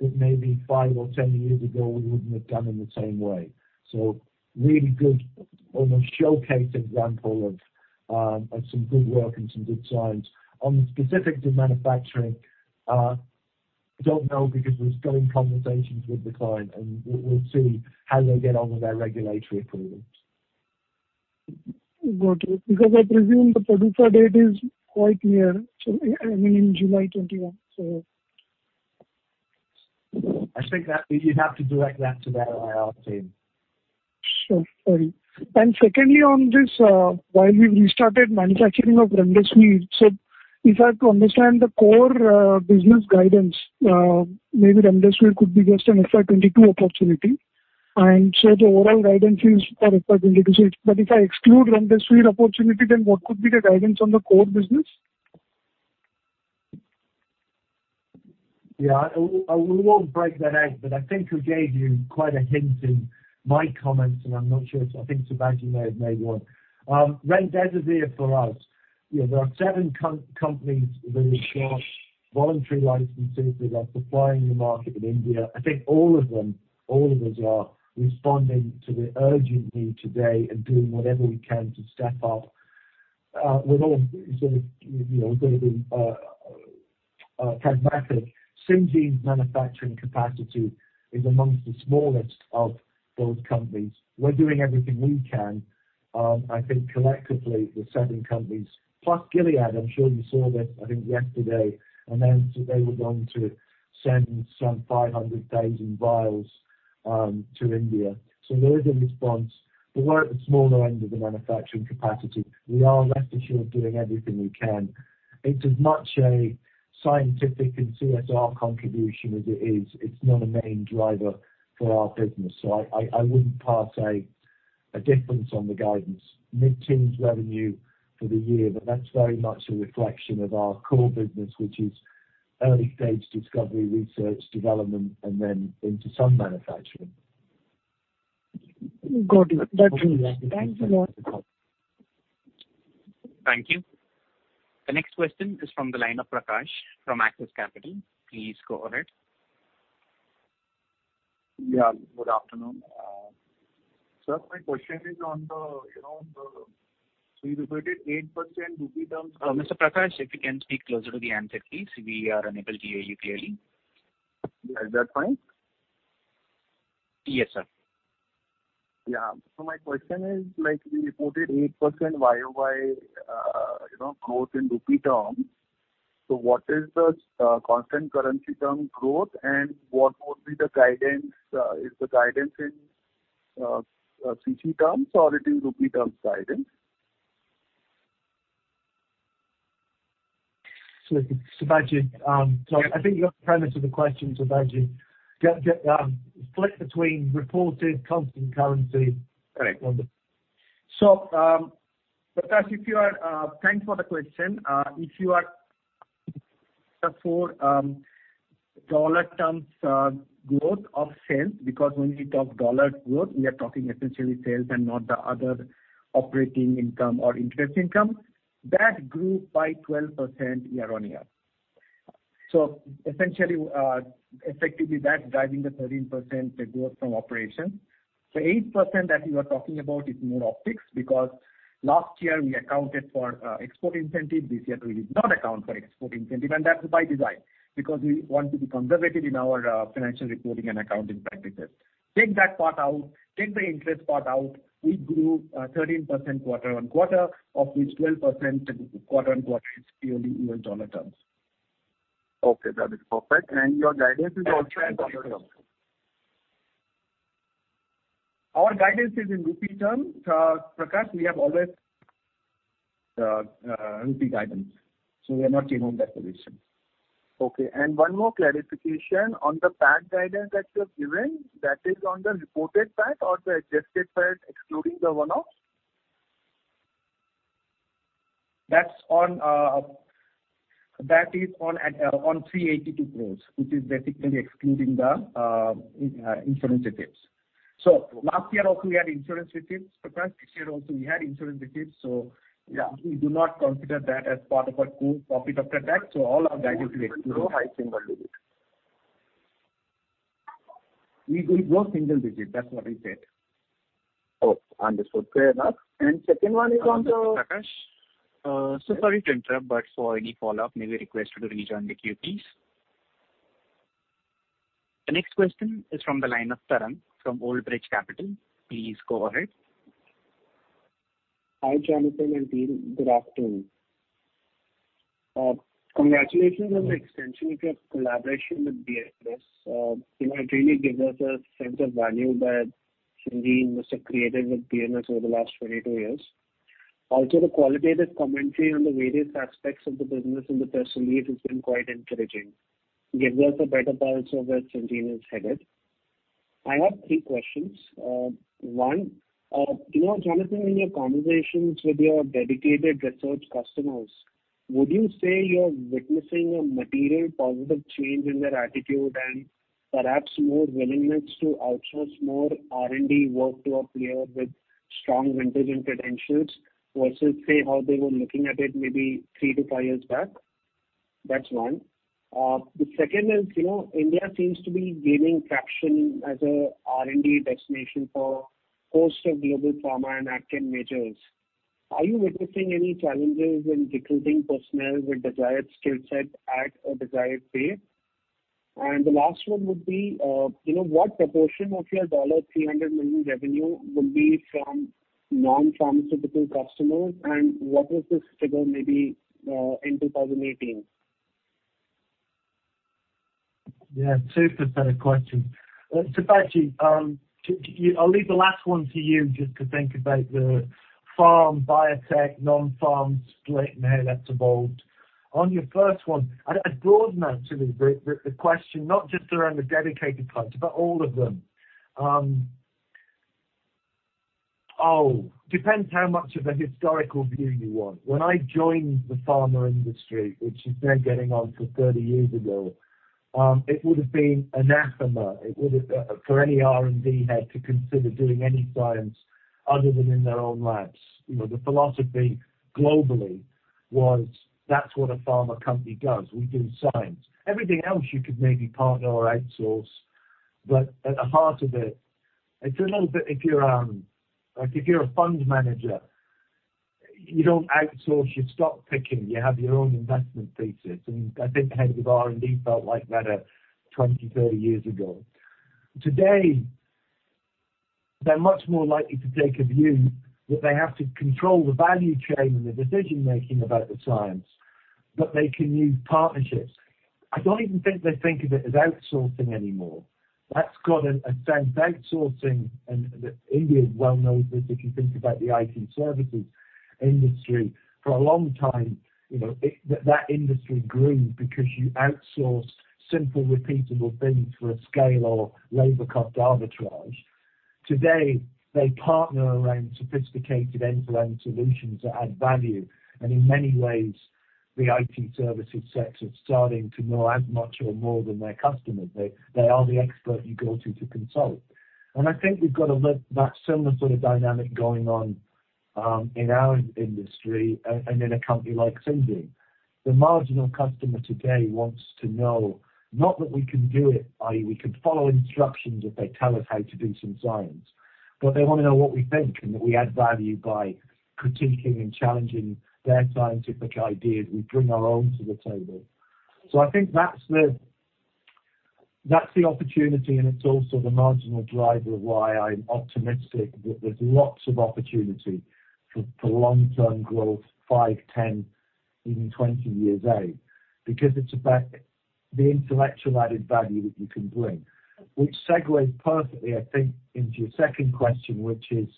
that maybe five or 10 years ago we wouldn't have done in the same way. Really good almost showcase example of some good work and some good science. On the specifics of manufacturing, don't know because we're still in conversations with the client, and we'll see how they get on with their regulatory approvals. Got it. Because I presume the PDUFA date is quite near. I mean in July 2021. I think that you'd have to direct that to their IR team. Sure. Sorry. Secondly on this, while we restarted manufacturing of remdesivir, if I have to understand the core business guidance, maybe remdesivir could be just an FY 2022 opportunity. The overall guidance is for FY 2022. If I exclude remdesivir opportunity, then what could be the guidance on the core business? Yeah. We won't break that out, but I think we gave you quite a hint in my comments, and I'm not sure, I think Sibaji Biswas may have made one. remdesivir for us, there are seven companies that have got voluntary licenses that are supplying the market in India. I think all of them are responding to the urgent need today and doing whatever we can to step up. With all sort of, got to be pragmatic, Syngene's manufacturing capacity is amongst the smallest of those companies. We're doing everything we can. I think collectively the seven companies, plus Gilead, I'm sure you saw that, I think yesterday, announced that they were going to send some 500,000 vials to India. There is a response. We're at the smaller end of the manufacturing capacity. We are rest assured doing everything we can. It's as much a scientific and CSR contribution as it is. It's not a main driver for our business, so I wouldn't parse a difference on the guidance. Mid-teens revenue for the year, but that's very much a reflection of our core business, which is early-stage discovery, research, development, and then into some manufacturing. Got it. That's it. Thank you a lot. Thank you. The next question is from the line of Prakash from Axis Capital. Please go ahead. Yeah, good afternoon. Sir, my question is, you reported eight percent INR terms? Mr. Prakash, if you can speak closer to the handset please, we are unable to hear you clearly. Is that fine? Yes, sir. My question is, you reported eight percent year-over-year growth in INR terms. What is the constant currency term growth and what would be the guidance? Is the guidance in CC terms or it is INR terms guidance? Sibaji Biswas. I think you got the premise of the question, Sibaji Biswas, split between reported constant currency. Correct. Prakash, thanks for the question. If you are looking for dollar terms growth of sales, because when we talk dollar growth, we are talking essentially sales and not the other operating income or interest income. That grew by 12% year-on-year. Essentially, effectively, that's driving the 13% growth from operations. The eight percent that you are talking about is more optics because last year we accounted for export incentive. This year we did not account for export incentive, that's by design. We want to be conservative in our financial reporting and accounting practices. Take that part out, take the interest part out, we grew 13% quarter-on-quarter, of which 12% quarter-on-quarter is purely US dollar terms. Okay. That is perfect. Your guidance is also in dollar terms Our guidance is in rupee terms. Prakash, we have always rupee guidance. We are not changing that position. Okay. One more clarification on the PAT guidance that you have given, that is on the reported PAT or the adjusted PAT excluding the one-offs? That is on 382 crores, which is basically excluding the insurance receipts. Last year also we had insurance receipts, Prakash. This year also we had insurance receipts. We do not consider that as part of our core profit after tax. All our guidance is excluding. Will grow high single digit. We will grow single digit. That's what I said. Oh, understood. Fair enough. Second one is on. Sorry to interrupt, but for any follow-up, may we request you to rejoin the queue, please. The next question is from the line of Tarang from Old Bridge Capital. Please go ahead. Hi, Jonathan and team. Good afternoon. Congratulations on the extension of your collaboration with BMS. It really gives us a sense of value that Syngene must have created with BMS over the last 22 years. The qualitative commentary on the various aspects of the business in the press release has been quite encouraging. It gives us a better pulse of where Syngene is headed. I have three questions. One, Jonathan, in your conversations with your dedicated research customers, would you say you're witnessing a material positive change in their attitude and perhaps more willingness to outsource more R&D work to a player with strong vintage and credentials, versus say how they were looking at it maybe three to five years back? That's one. The second is, India seems to be gaining traction as a R&D destination for most of global pharma and active majors. Are you witnessing any challenges in recruiting personnel with desired skill set at a desired pace? The last one would be, what proportion of your INR 300 million revenue will be from non-pharmaceutical customers, and what was this figure maybe in 2018? Yeah, super set of questions. Sibaji, I'll leave the last one to you just to think about the pharm, biotech, non-pharm split and how that's evolved. On your first one, I'd broad naturally the question not just around the dedicated clients, but all of them. Oh, depends how much of a historical view you want. When I joined the pharma industry, which is now getting on to 30 years ago, it would've been anathema for any R&D head to consider doing any science other than in their own labs. The philosophy globally was that's what a pharma company does. We do science. Everything else you could maybe partner or outsource. At the heart of it's a little bit like if you're a fund manager, you don't outsource your stock picking. You have your own investment thesis, and I think the head of R&D felt like that 20, 30 years ago. Today, they're much more likely to take a view that they have to control the value chain and the decision-making about the science, but they can use partnerships. I don't even think they think of it as outsourcing anymore. That's got a sense, outsourcing, and India is well-known for this if you think about the IT services industry. For a long time, that industry grew because you outsource simple repeatable things for a scale or labor cost arbitrage. Today, they partner around sophisticated end-to-end solutions that add value, and in many ways, the IT services sector is starting to know as much or more than their customers. They are the expert you go to consult. I think we've got that similar sort of dynamic going on in our industry and in a company like Syngene. The marginal customer today wants to know not that we can do it, i.e., we can follow instructions if they tell us how to do some science, but they want to know what we think and that we add value by critiquing and challenging their scientific ideas. We bring our own to the table. I think that's the opportunity, and it's also the marginal driver of why I'm optimistic that there's lots of opportunity for long-term growth five, 10, even 20 years out, because it's about the intellectual added value that you can bring. Which segues perfectly, I think, into your second question, which is,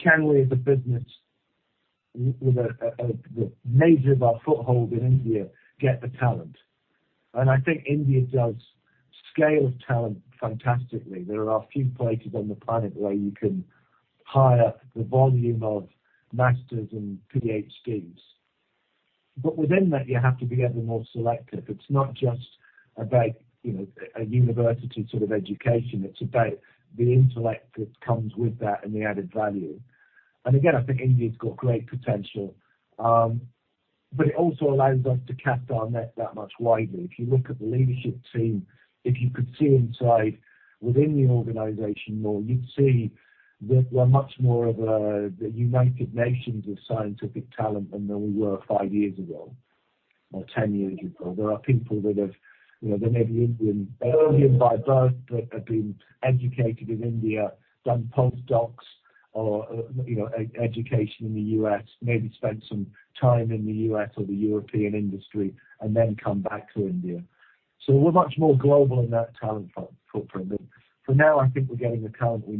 can we as a business, with the nature of our foothold in India, get the talent? I think India does scale talent fantastically. There are few places on the planet where you can hire the volume of master's and PhDs. Within that, you have to be ever more selective. It's not just about a university sort of education, it's about the intellect that comes with that and the added value. Again, I think India's got great potential. It also allows us to cast our net that much wider. If you look at the leadership team, if you could see inside within the organization more, you'd see that we're much more of a United Nations of scientific talent than we were five years ago or 10 years ago. There are people that have, they may be Indian by birth, but have been educated in India, done postdocs or education in the U.S., maybe spend some time in the U.S. or the European industry and then come back to India. We're much more global in that talent footprint. For now, I think we're getting the talent we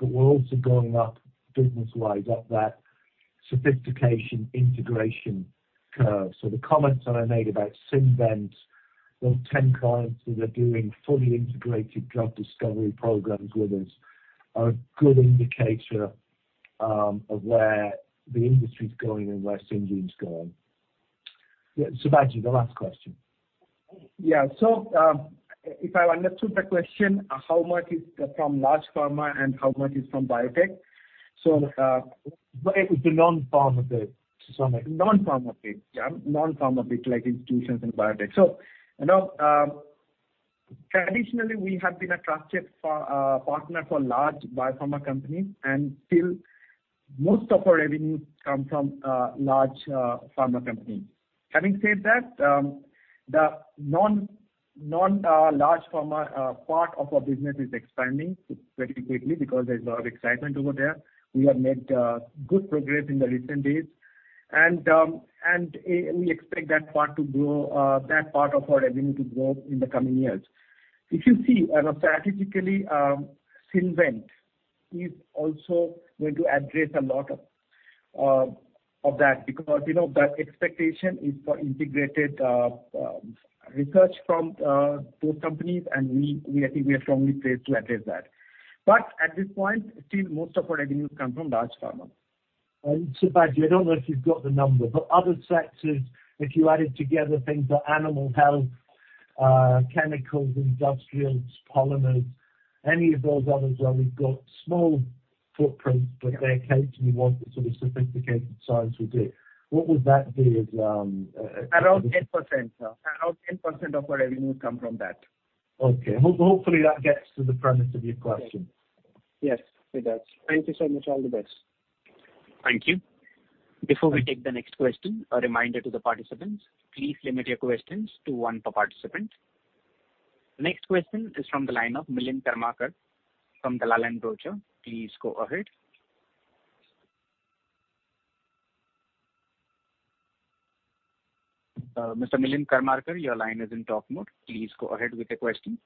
need, but we're also going up business-wide, up that sophistication, integration curve. The comments that I made about Synvent, those 10 clients who are doing fully integrated drug discovery programs with us, are a good indicator of where the industry is going and where Syngene's going. Yeah, Sibaji Biswas, the last question. Yeah. If I understood the question, how much is from large pharma and how much is from biotech? The non-pharma bit, sorry. Non-pharma bit. Yeah, non-pharma bit like institutions and biotech. Traditionally, we have been a trusted partner for large biopharma companies, and still, most of our revenues come from large pharma companies. Having said that, the non-large pharma part of our business is expanding pretty quickly because there's a lot of excitement over there. We have made good progress in the recent days, and we expect that part of our revenue to grow in the coming years. If you see, strategically, Synvent is also going to address a lot of that because that expectation is for integrated research from both companies, and we actively are strongly placed to address that. At this point, still, most of our revenues come from large pharma. Sibaji, I don't know if you've got the number, but other sectors, if you added together things like animal health, chemicals, industrials, polymers, any of those others where we've got small footprints, but they occasionally want the sort of sophisticated science we do, what would that be? Around 10%, sir. Around 10% of our revenue come from that. Okay. Hopefully, that gets to the premise of your question. Yes, it does. Thank you so much. All the best. Thank you. Before we take the next question, a reminder to the participants, please limit your questions to one per participant. Next question is from the line of Milind Karmarkar from Dalal & Broacha. Please go ahead. Mr. Milind Karmarkar, your line is in talk mode. Please go ahead with the question.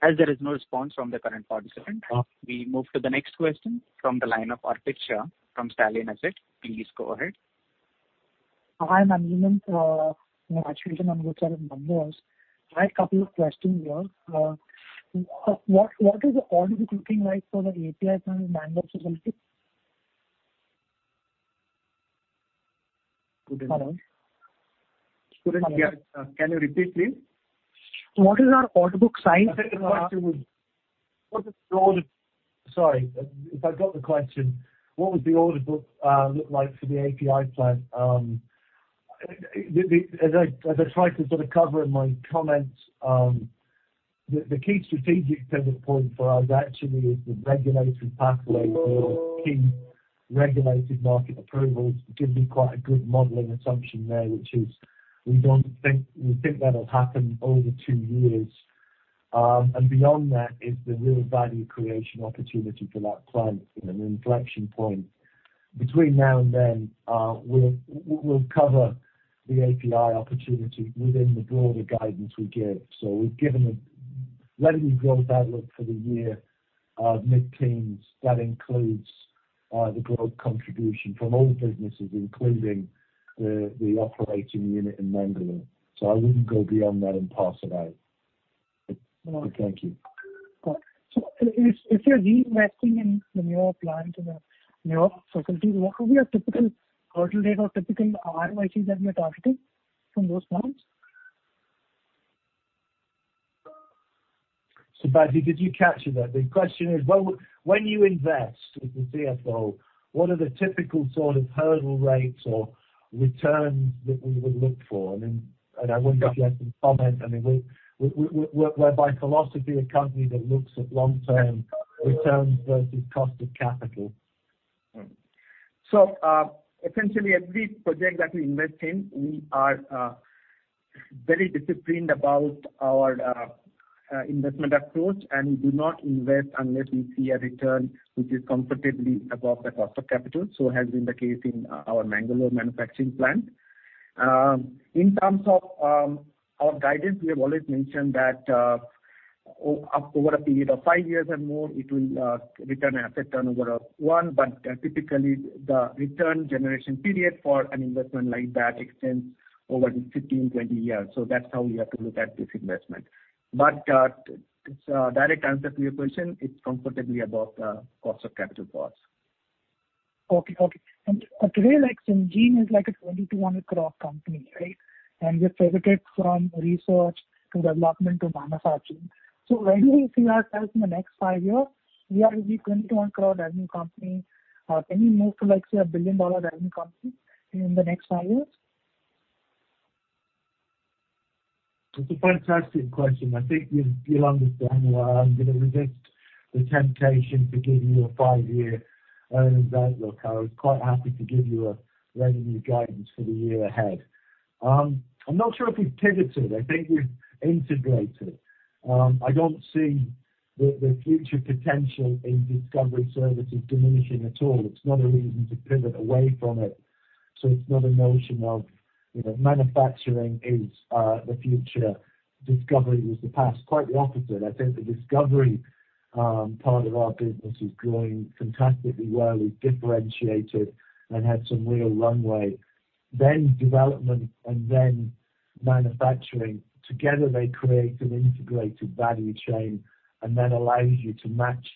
As there is no response from the current participant. We move to the next question from the line of Arpit Shah from Stallion Asset. Please go ahead. Hi, I have a couple of questions here. What is the order book looking like for the API plant in Mangalore facility? Couldn't hear. Hello? Couldn't hear. Can you repeat, please? What is our order book size? Sorry, if I got the question, what would the order book look like for the API plant? As I tried to sort of cover in my comments, the key strategic pivot point for us actually is the regulatory pathway for key regulated market approvals gives me quite a good modeling assumption there, which is we think that'll happen over two years. Beyond that is the real value creation opportunity for that plant. An inflection point between now and then, we'll cover the API opportunity within the broader guidance we give. We've given a revenue growth outlook for the year of mid-teens. That includes the growth contribution from all businesses, including the operating unit in Mangalore. I wouldn't go beyond that and parse it out. Thank you. If you're reinvesting in your plant, in your facility, what would be your typical hurdle rate or typical ROICs that you're targeting from those plants? Sibaji Biswas, did you capture that? The question is, when you invest as the CFO, what are the typical sort of hurdle rates or returns that we would look for? I wouldn't expect you to comment, we're, by philosophy, a company that looks at long-term returns versus cost of capital. Essentially, every project that we invest in, we are very disciplined about our investment approach, and we do not invest unless we see a return which is comfortably above the cost of capital. Has been the case in our Mangalore manufacturing plant. In terms of our guidance, we have always mentioned that over a period of five years and more, it will return asset turnover of one, but typically, the return generation period for an investment like that extends over 15, 20 years. That's how we have to look at this investment. Direct answer to your question, it's comfortably above cost of capital for us. Okay. Today, Syngene is like an 2,200 crore company, right? We've pivoted from research to development to manufacturing. Where do we see ourselves in the next five years? We are an INR 2,200 crore revenue company. Can we move to, let's say, a billion-dollar revenue company in the next five years? It's a fantastic question. I think you'll understand why I'm going to resist the temptation to give you a five-year earnings outlook. I was quite happy to give you a revenue guidance for the year ahead. I'm not sure if we've pivoted. I think we've integrated. I don't see the future potential in discovery services diminishing at all. It's not a reason to pivot away from it. It's not a notion of manufacturing is the future, discovery is the past. Quite the opposite. I think the discovery part of our business is growing fantastically well. We've differentiated and had some real runway, then development and then manufacturing. Together, they create an integrated value chain. It allows you to match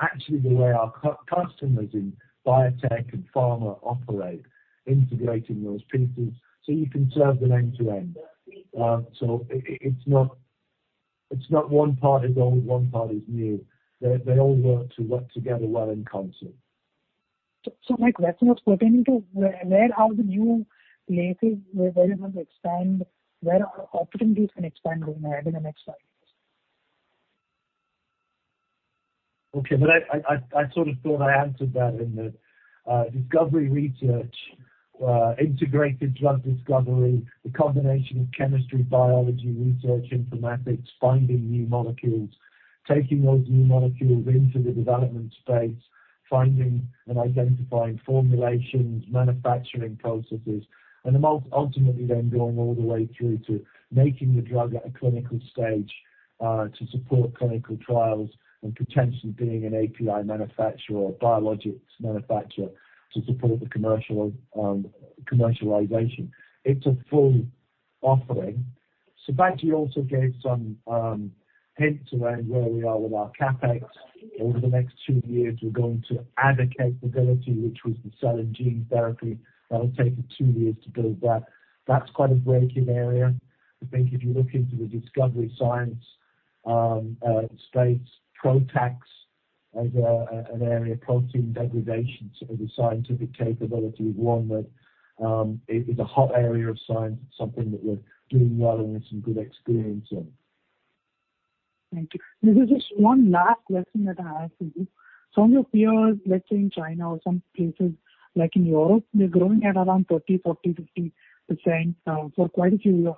actually the way our customers in biotech and pharma operate, integrating those pieces so you can serve them end to end. It's not one part is old, one part is new. They all work together well in concert. My question was pertaining to where are the new places where you want to expand, where are opportunities can expand over in the next five years? I sort of thought I answered that in the discovery research, integrated drug discovery, the combination of chemistry, biology, research informatics, finding new molecules. Taking those new molecules into the development space, finding and identifying formulations, manufacturing processes, and then ultimately then going all the way through to making the drug at a clinical stage, to support clinical trials and potentially being an API manufacturer or biologics manufacturer to support the commercialization. It's a full offering. Sibaji also gave some hints around where we are with our CapEx. Over the next two years, we're going to add a capability, which was the cell and gene therapy. That'll take us two years to build that. That's quite a breaking area. I think if you look into the discovery science space, PROTACs as an area, protein degradations as a scientific capability, one that is a hot area of science. It's something that we're doing well and with some good experience in. Thank you. This is just one last question that I have for you. Some of your peers, let's say in China or some places like in Europe, they're growing at around 30%, 40%, 50% for quite a few years.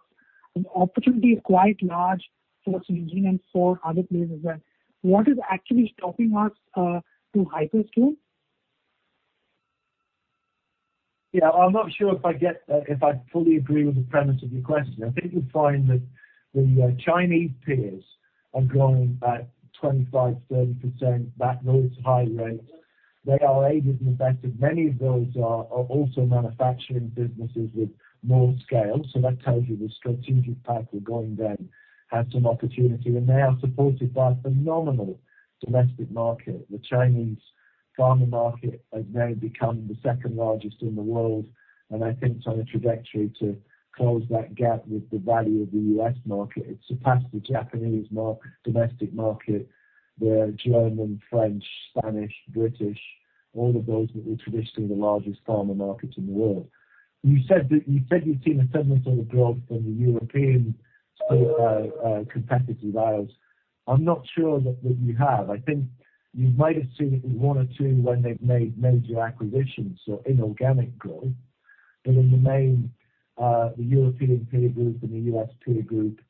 The opportunity is quite large for Syngene and for other players as well. What is actually stopping us to hyperscale? Yeah. I'm not sure if I fully agree with the premise of your question. I think you'll find that the Chinese peers are growing at 25% to 30%, at those high rates. They are aided in the fact that many of those are also manufacturing businesses with more scale. That tells you the strategic path we're going down has some opportunity, and they are supported by a phenomenal domestic market. The Chinese pharma market has now become the second largest in the world, and I think it's on a trajectory to close that gap with the value of the U.S. market. It's surpassed the Japanese domestic market, the German, French, Spanish, British, all of those that were traditionally the largest pharma markets in the world. You said you've seen a similar sort of growth in the European competitive rivals. I'm not sure that you have. I think you might have seen it in one or two when they've made major acquisitions, so inorganic growth. In the main, the European peer group and the U.S. peer group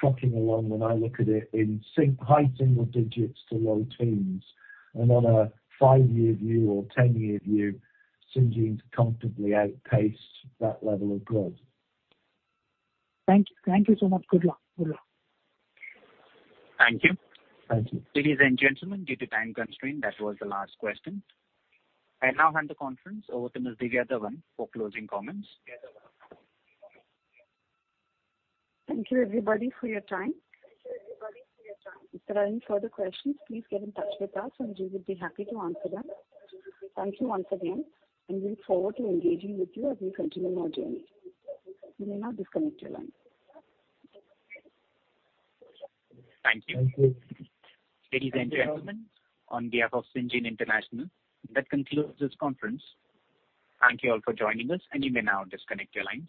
is trucking along, when I look at it, in high single digits to low teens. On a five-year view or a 10-year view, Syngene comfortably outpaced that level of growth. Thank you. Thank you so much. Good luck. Thank you. Thank you. Ladies and gentlemen, due to time constraint, that was the last question. I now hand the conference over to Ms. Divya Dhawan for closing comments. Thank you everybody for your time. If there are any further questions, please get in touch with us, we would be happy to answer them. Thank you once again, we look forward to engaging with you as we continue our journey. You may now disconnect your line. Thank you. Thank you. Ladies and gentlemen, on behalf of Syngene International, that concludes this conference. Thank you all for joining us, and you may now disconnect your lines.